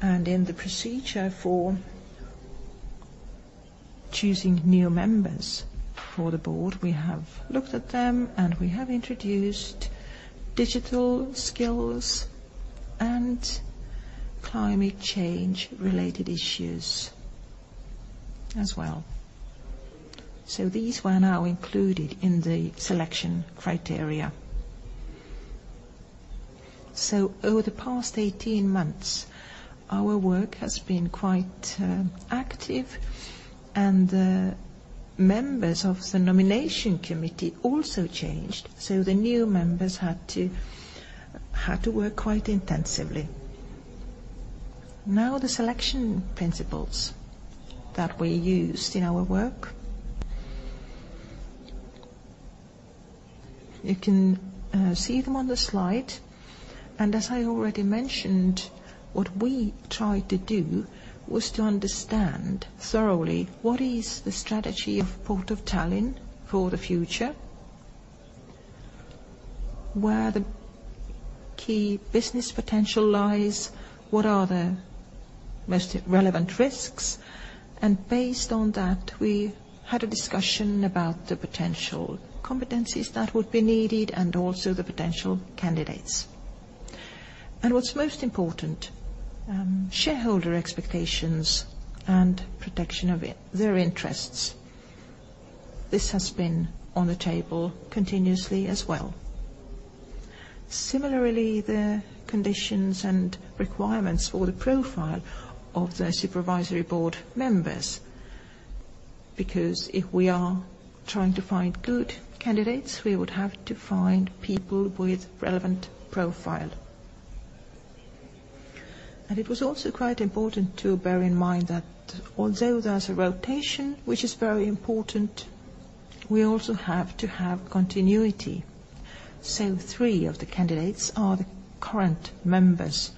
In the procedure for choosing new members for the board, we have looked at them, and we have introduced digital skills and climate change-related issues as well. These were now included in the selection criteria. Over the past 18 months, our work has been quite active, and the members of the nomination committee also changed, so the new members had to work quite intensively. Now the selection principles that we used in our work. You can see them on the slide. As I already mentioned, what we tried to do was to understand thoroughly what is the strategy of Port of Tallinn for the future? Where the key business potential lies, what are the most relevant risks? Based on that, we had a discussion about the potential competencies that would be needed and also the potential candidates. What's most important, shareholder expectations and protection of their interests. This has been on the table continuously as well. Similarly, the conditions and requirements for the profile of the supervisory board members, because if we are trying to find good candidates, we would have to find people with relevant profile. It was also quite important to bear in mind that although there's a rotation, which is very important, we also have to have continuity. Three of the candidates are the current members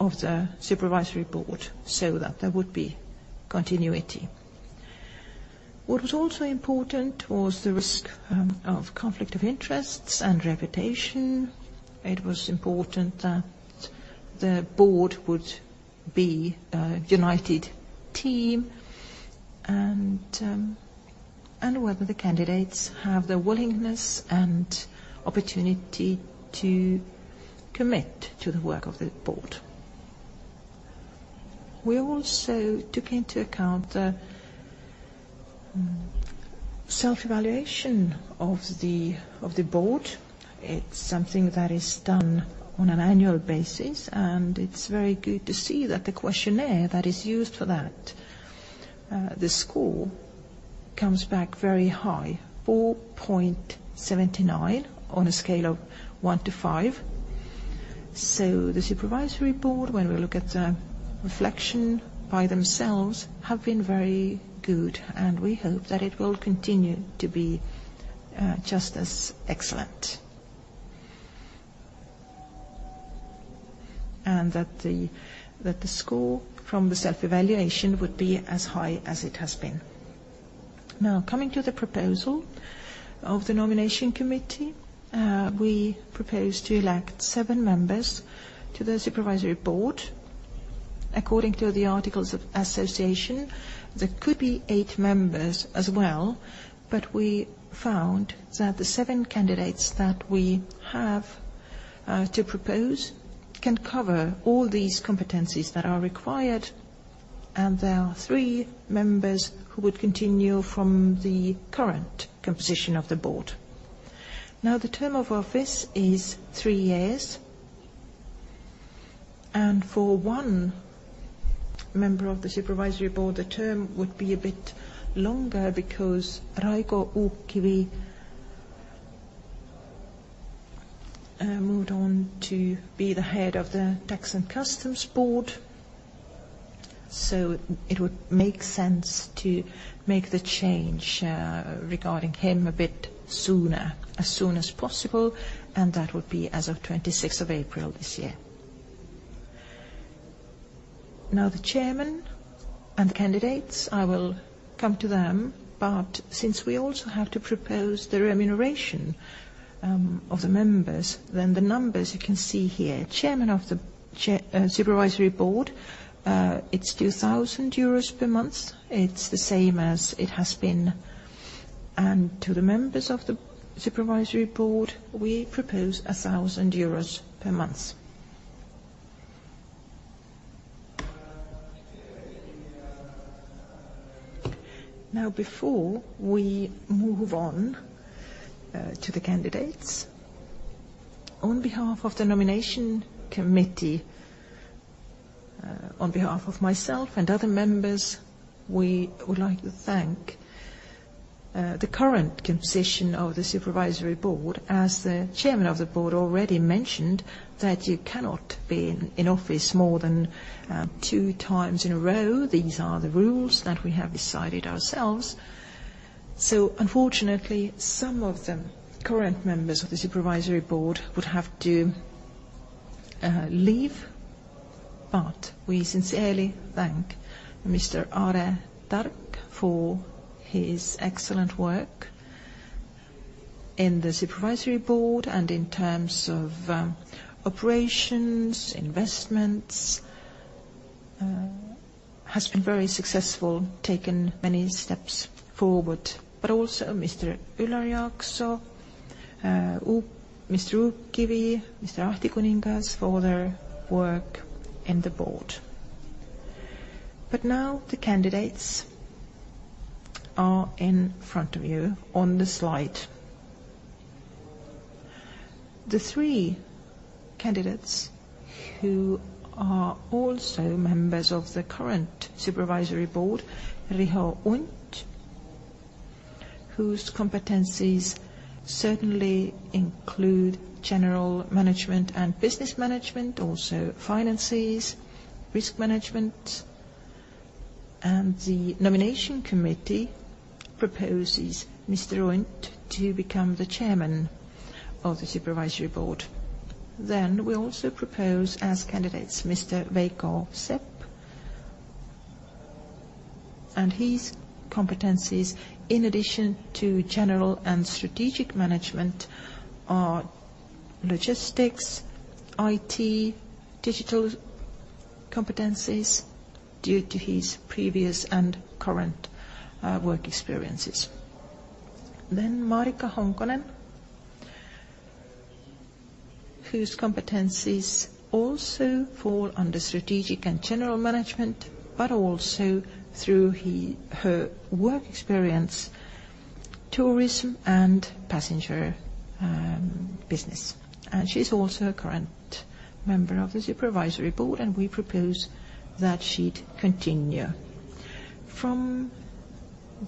of the supervisory board so that there would be continuity. What was also important was the risk of conflict of interests and reputation. It was important that the board would be a united team and whether the candidates have the willingness and opportunity to commit to the work of the board. We also took into account the self-evaluation of the board. It's something that is done on an annual basis, and it's very good to see that the questionnaire that is used for that, the score comes back very high, 4.79 on a scale of 1-5. The Supervisory Board, when we look at the reflection by themselves, have been very good, and we hope that it will continue to be just as excellent. That the score from the self-evaluation would be as high as it has been. Coming to the proposal of the nomination committee, we propose to elect seven members to the Supervisory Board. According to the articles of association, there could be eight members as well, but we found that the seven candidates that we have to propose can cover all these competencies that are required, and there are three members who would continue from the current composition of the Board. The term of office is three years. For one member of the supervisory board, the term would be a bit longer because Raigo Uukivi moved on to be the head of the Tax and Customs Board. It would make sense to make the change regarding him a bit sooner, as soon as possible, and that would be as of April 26 this year. The chairman and the candidates, I will come to them, since we also have to propose the remuneration of the members, the numbers you can see here. Chairman of the supervisory board, it is 2,000 euros per month. It is the same as it has been. To the members of the supervisory board, we propose EUR 1,000 per month. Before we move on to the candidates, on behalf of the Nomination Committee, on behalf of myself and other members, we would like to thank the current composition of the Supervisory Board. As the Chairman of the Board already mentioned, that you cannot be in office more than two times in a row. These are the rules that we have decided ourselves. Unfortunately, some of the current members of the Supervisory Board would have to leave. We sincerely thank Mr. Aare Tark for his excellent work in the Supervisory Board and in terms of operations, investments. His work has been very successful, taken many steps forward. Also Mr. Üllar Jaaksoo, Mr. Uukkivi, Mr. Ahti Kuningas for their work in the Board. Now the candidates are in front of you on the slide. The three candidates who are also members of the current Supervisory Board, Riho Unt, whose competencies certainly include general management and business management, also finances, risk management. The nomination committee proposes Mr. Unt to become the Chairman of the Supervisory Board. We also propose as candidates Mr. Veiko Sepp, and his competencies in addition to general and strategic management are logistics, IT, digital competencies due to his previous and current work experiences. Maarika Honkonen, whose competencies also fall under strategic and general management, but also through her work experience, tourism and passenger business. She's also a current member of the Supervisory Board, and we propose that she'd continue. From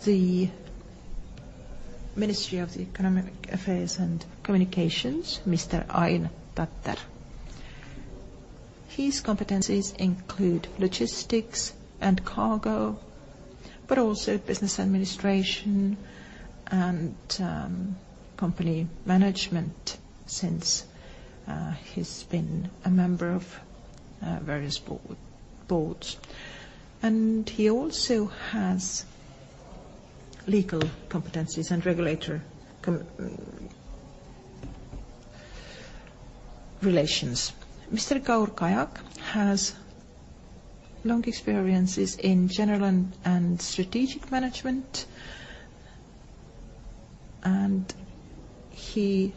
the Ministry of Economic Affairs and Communications, Mr. Ain Tatter. His competencies include logistics and cargo, but also business administration and company management since he's been a member of various boards. He also has legal competencies and regulator relations. Mr. Kaur Kajak has long experiences in general and strategic management, and he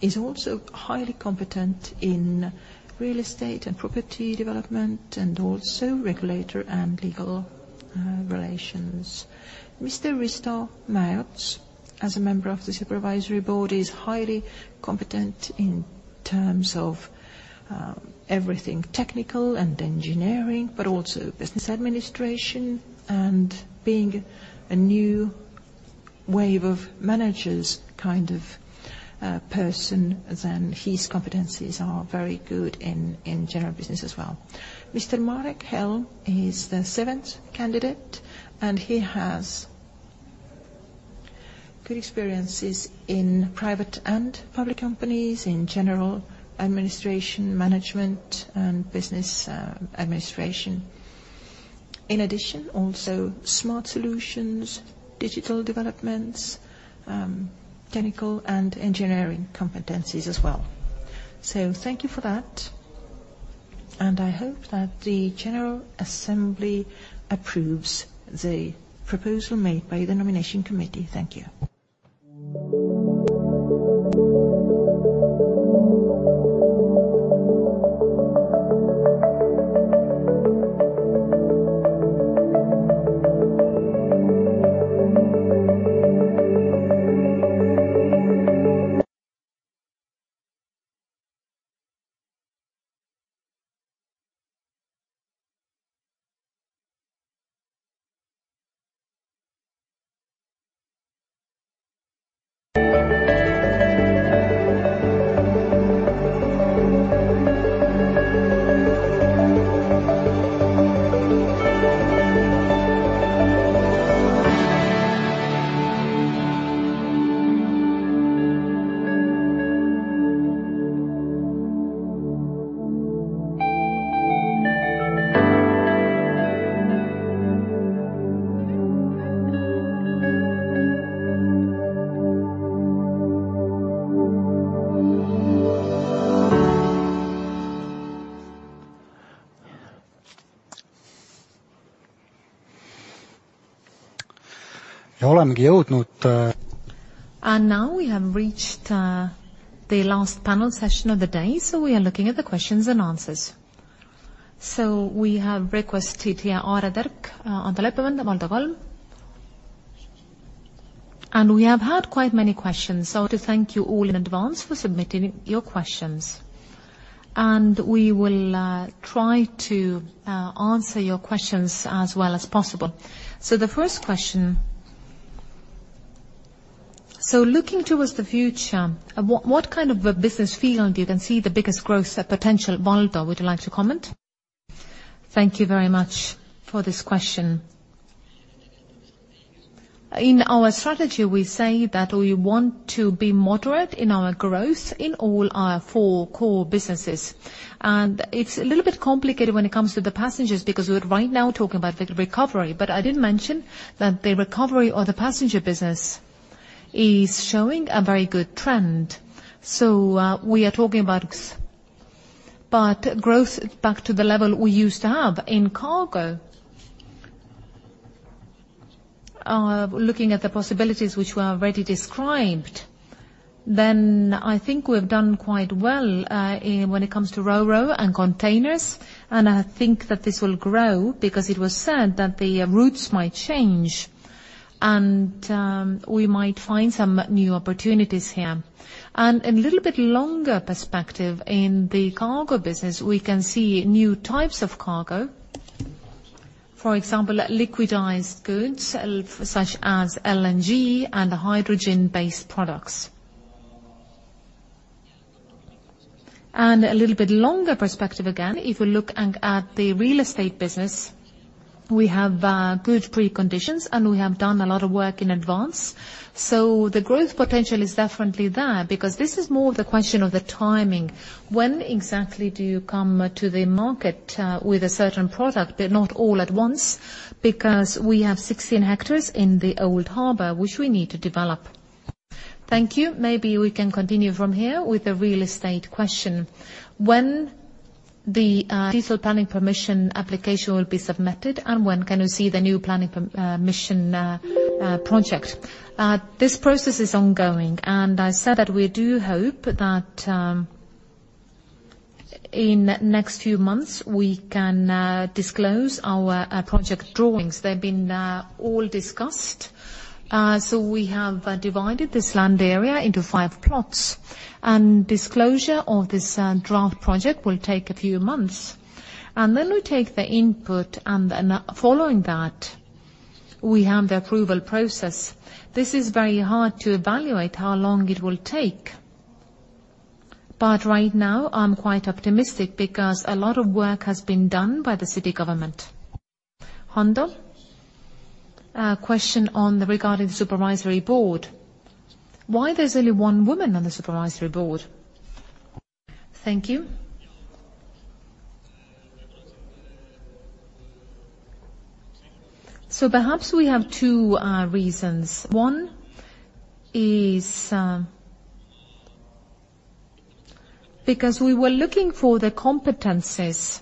is also highly competent in real estate and property development, and also regulator and legal relations. Mr. Risto Mäeots, as a member of the supervisory board, is highly competent in terms of everything technical and engineering, but also business administration. Being a new wave of managers kind of person, then his competencies are very good in general business as well. Mr. Marek Helm is the seventh candidate, he has good experiences in private and public companies, in general administration, management, and business administration. In addition, also smart solutions, digital developments, technical and engineering competencies as well. Thank you for that, and I hope that the general assembly approves the proposal made by the Nomination Committee. Thank you. Now we have reached the last panel session of the day, we are looking at the questions and answers. We have requested, looking at the possibilities which were already described, then I think we've done quite well when it comes to Ro-Ro and containers. I think that this will grow because it was said that the routes might change, and we might find some new opportunities here. In a little bit longer perspective, in the cargo business, we can see new types of cargo. For example, liquidized goods, such as LNG and hydrogen-based products. A little bit longer perspective again, if we look at the real estate business, we have good preconditions, and we have done a lot of work in advance. The growth potential is definitely there because this is more the question of the timing. When exactly do you come to the market with a certain product, but not all at once? Because we have 16 hectares in the Old City Harbour, which we need to develop. Thank you. Maybe we can continue from here with the real estate question. When the diesel planning permission application will be submitted, and when can we see the new planning permission project? This process is ongoing, and I said that we do hope that in next few months we can disclose our project drawings. They've been all discussed. We have divided this land area into five plots. Disclosure of this draft project will take a few months. We take the input and then following that, we have the approval process. This is very hard to evaluate how long it will take. Right now, I'm quite optimistic because a lot of work has been done by the City of Tallinn. Ando Leppiman, a question regarding the supervisory board. Why there's only one woman on the supervisory board? Thank you. Perhaps we have two reasons. One is, because we were looking for the competencies,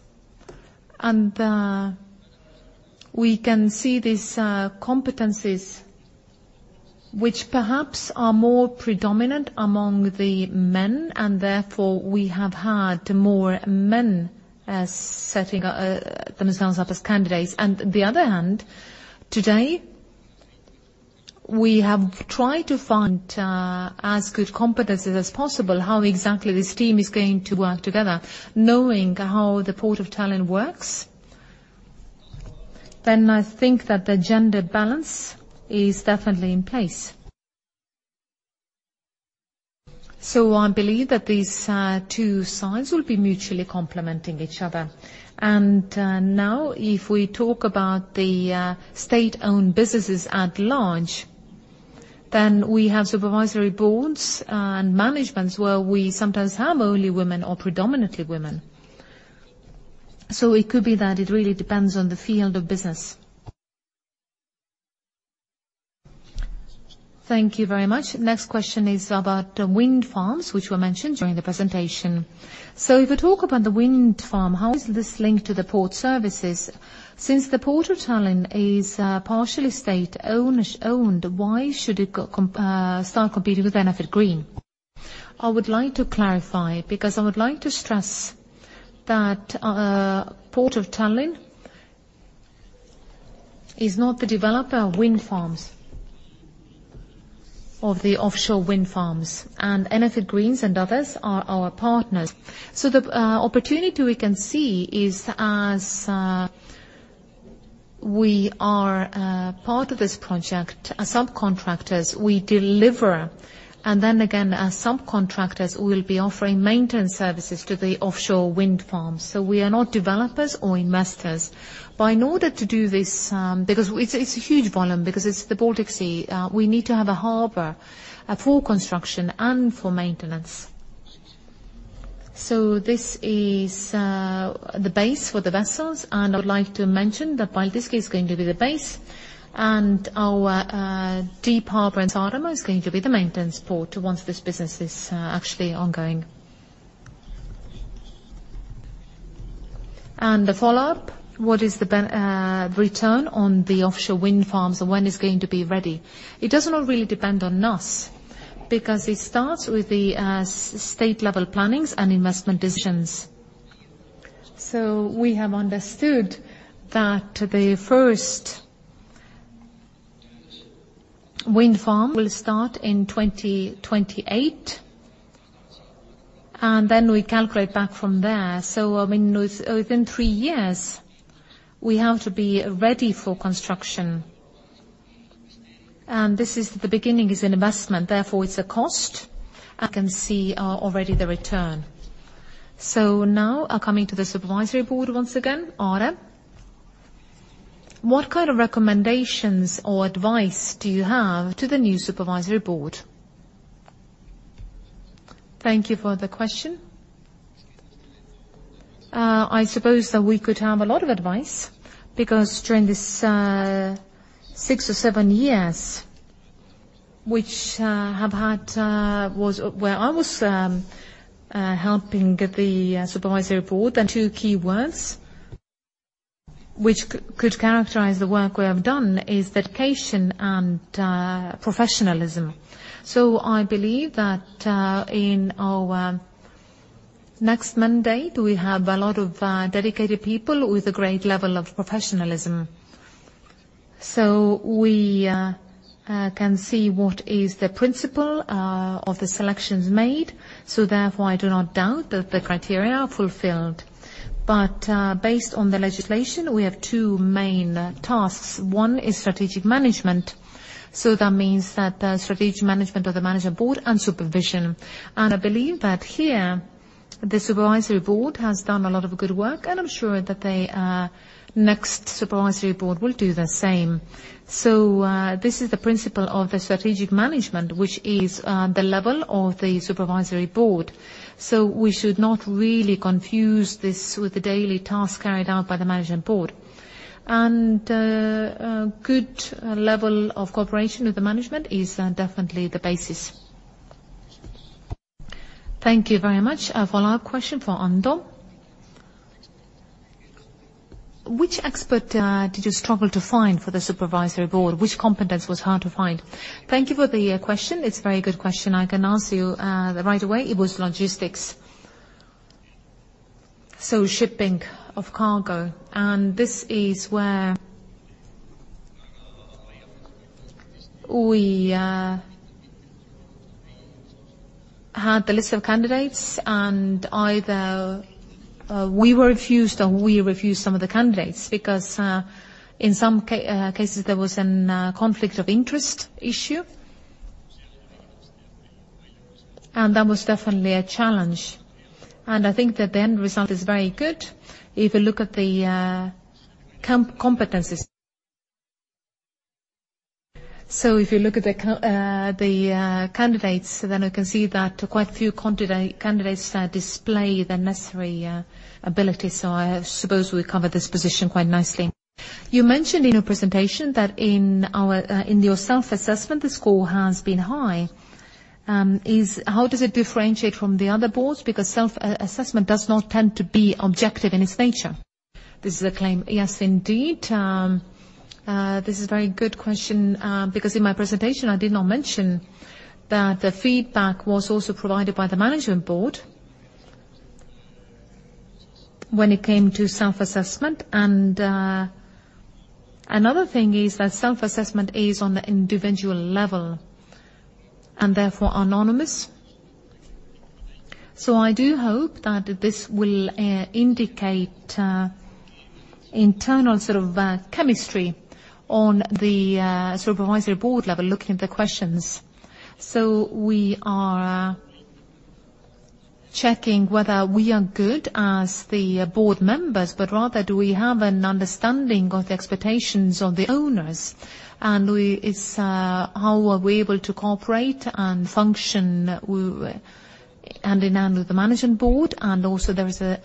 we can see these competencies which perhaps are more predominant among the men, and therefore we have had more men setting themselves up as candidates. The other hand, today, we have tried to find as good competencies as possible how exactly this team is going to work together, knowing how the Port of Tallinn works. I think that the gender balance is definitely in place. I believe that these two sides will be mutually complementing each other. Now, if we talk about the state-owned businesses at large, we have supervisory boards and managements where we sometimes have only women or predominantly women. It could be that it really depends on the field of business. Thank you very much. Next question is about wind farms, which were mentioned during the presentation. If you talk about the wind farm, how is this linked to the port services? Since the Port of Tallinn is partially state-owned, why should it start competing with Enefit Green? I would like to clarify because I would like to stress that Port of Tallinn is not the developer of wind farms, of the offshore wind farms. Enefit Green and others are our partners. The opportunity we can see is as we are part of this project, as subcontractors, we deliver, and then again, as subcontractors, we'll be offering maintenance services to the offshore wind farm. We are not developers or investors. In order to do this, because it's a huge volume because it's the Baltic Sea, we need to have a harbor for construction and for maintenance. This is the base for the vessels. I would like to mention that Paldiski is going to be the base and our deep harbor in Vanasadam is going to be the maintenance port once this business is actually ongoing. A follow-up, what is the return on the offshore wind farms and when it's going to be ready? It does not really depend on us because it starts with the state-level plannings and investment decisions. We have understood that the first wind farm will start in 2028, and then we calculate back from there. I mean, within three years, we have to be ready for construction. This is the beginning is an investment, therefore it's a cost. I can see already the return. Now coming to the Supervisory Board once again, Aare. What kind of recommendations or advice do you have to the new Supervisory Board? Thank you for the question. I suppose that we could have a lot of advice because during this six or seven years which have had was where I was helping the Supervisory Board. The two key words which could characterize the work we have done is dedication and professionalism. I believe that in our next mandate, we have a lot of dedicated people with a great level of professionalism. We can see what is the principle of the selections made, therefore, I do not doubt that the criteria are fulfilled. Based on the legislation, we have two main tasks. One is strategic management, that means that the strategic management of the management board and supervision. I believe that here, the supervisory board has done a lot of good work, and I'm sure that the next supervisory board will do the same. This is the principle of the strategic management, which is the level of the supervisory board. We should not really confuse this with the daily task carried out by the management board. A good level of cooperation with the management is definitely the basis. Thank you very much. A follow-up question for Ando. Which expert did you struggle to find for the supervisory board? Which competence was hard to find? Thank you for the question. It's a very good question. I can answer you right away. It was logistics. Shipping of cargo, and this is where we had the list of candidates and either we were refused or we refused some of the candidates because in some cases there was a conflict of interest issue. That was definitely a challenge. I think that the end result is very good if you look at the competencies. If you look at the candidates, then you can see that quite a few candidates display the necessary ability, so I suppose we covered this position quite nicely. You mentioned in your presentation that in our, in your self-assessment, the score has been high. How does it differentiate from the other boards? Because self-assessment does not tend to be objective in its nature. This is a claim. Yes, indeed. This is very good question because in my presentation I did not mention that the feedback was also provided by the management board when it came to self-assessment. Another thing is that self-assessment is on the individual level and therefore anonymous. I do hope that this will indicate internal sort of chemistry on the supervisory board level looking at the questions. We are checking whether we are good as the board members, but rather do we have an understanding of the expectations of the owners? How are we able to cooperate and function hand in hand with the management board, also there is a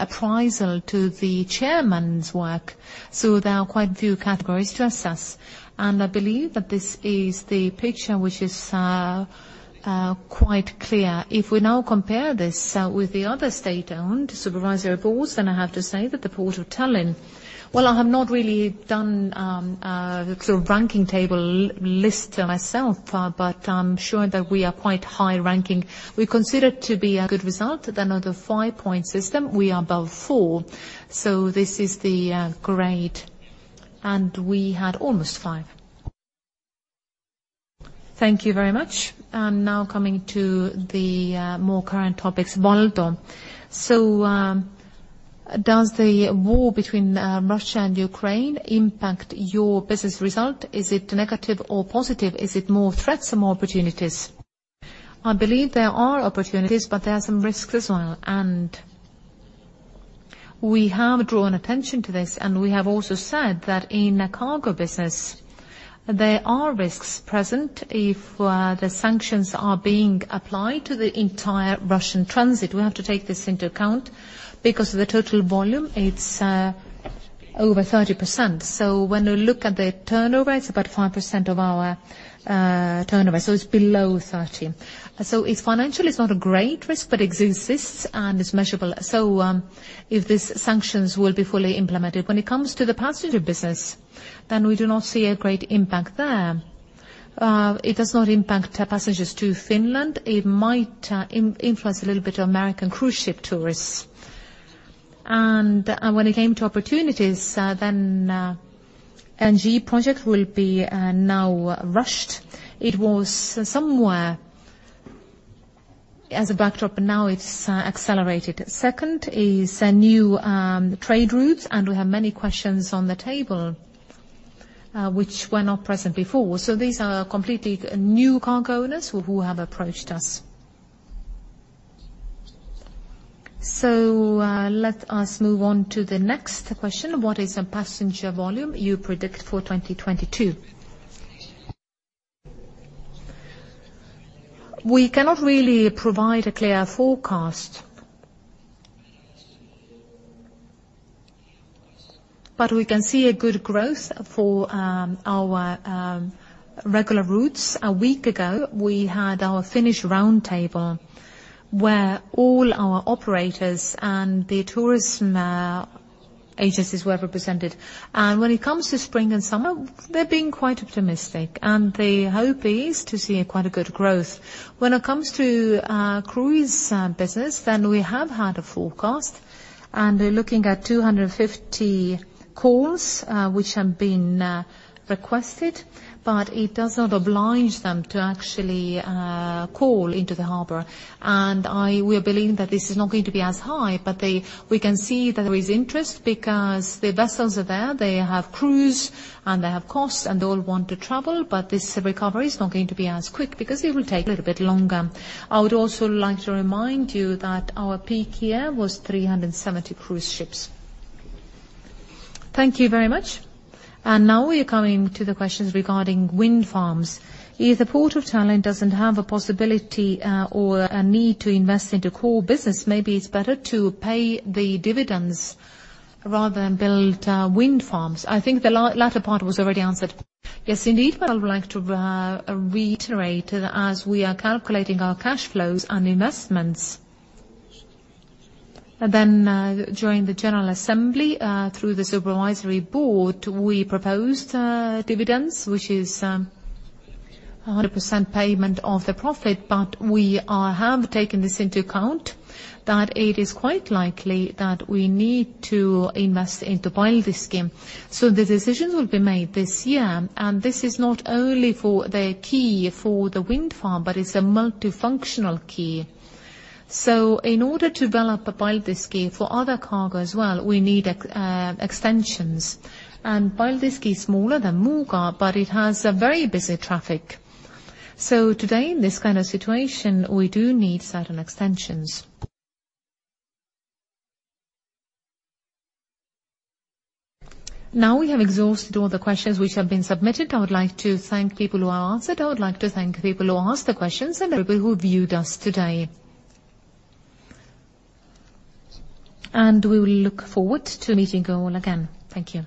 appraisal to the chairman's work, there are quite a few categories to assess. I believe that this is the picture which is quite clear. If we now compare this with the other state-owned supervisory boards, then I have to say that the Port of Tallinn, I have not really done a sort of ranking table list myself, but I'm sure that we are quite high ranking. We consider it to be a good result, and on the 5-point system, we are above four, so this is the grade, and we had almost five. Thank you very much. Now coming to the more current topics. Valdo, so, does the war between Russia and Ukraine impact your business result? Is it negative or positive? Is it more threats or more opportunities? I believe there are opportunities, but there are some risks as well. We have drawn attention to this, and we have also said that in the cargo business, there are risks present if the sanctions are being applied to the entire Russian transit. We have to take this into account because of the total volume, it's over 30%. When you look at the turnover, it's about 5% of our turnover, so it's below 30%. It's financially it's not a great risk, but it exists and it's measurable. If these sanctions will be fully implemented. When it comes to the passenger business, we do not see a great impact there. It does not impact passengers to Finland. It might influence a little bit American cruise ship tourists. When it came to opportunities, LNG project will be now rushed. It was somewhere as a backdrop, but now it's accelerated. Second is new trade routes, and we have many questions on the table which were not present before. These are completely new cargo owners who have approached us. Let us move on to the next question. What is the passenger volume you predict for 2022? We cannot really provide a clear forecast. We can see a good growth for our regular routes. A week ago, we had our Finnish Roundtable, where all our operators and their tourism agencies were represented. When it comes to spring and summer, they're being quite optimistic, and the hope is to see quite a good growth. When it comes to our cruise business, then we have had a forecast, and we're looking at 250 calls, which have been requested, but it does not oblige them to actually call into the harbor. We're believing that this is not going to be as high, but we can see there is interest because the vessels are there. They have crews, and they have costs, and they all want to travel, but this recovery is not going to be as quick because it will take a little bit longer. I would also like to remind you that our peak year was 370 cruise ships. Thank you very much. Now we are coming to the questions regarding wind farms. If the Port of Tallinn doesn't have a possibility, or a need to invest into core business, maybe it's better to pay the dividends rather than build wind farms. I think the latter part was already answered. Yes, indeed. I would like to reiterate that as we are calculating our cash flows and investments, during the general assembly, through the supervisory board, we proposed dividends, which is 100% payment of the profit. We have taken this into account that it is quite likely that we need to invest into Paldiski. The decisions will be made this year, and this is not only for the key for the wind farm, but it's a multifunctional key. In order to develop Paldiski for other cargo as well, we need extensions. Paldiski is smaller than Muuga, but it has a very busy traffic. Today, in this kind of situation, we do need certain extensions. Now we have exhausted all the questions which have been submitted. I would like to thank people who are answered. I would like to thank people who asked the questions and everybody who viewed us today. We will look forward to meeting you all again. Thank you.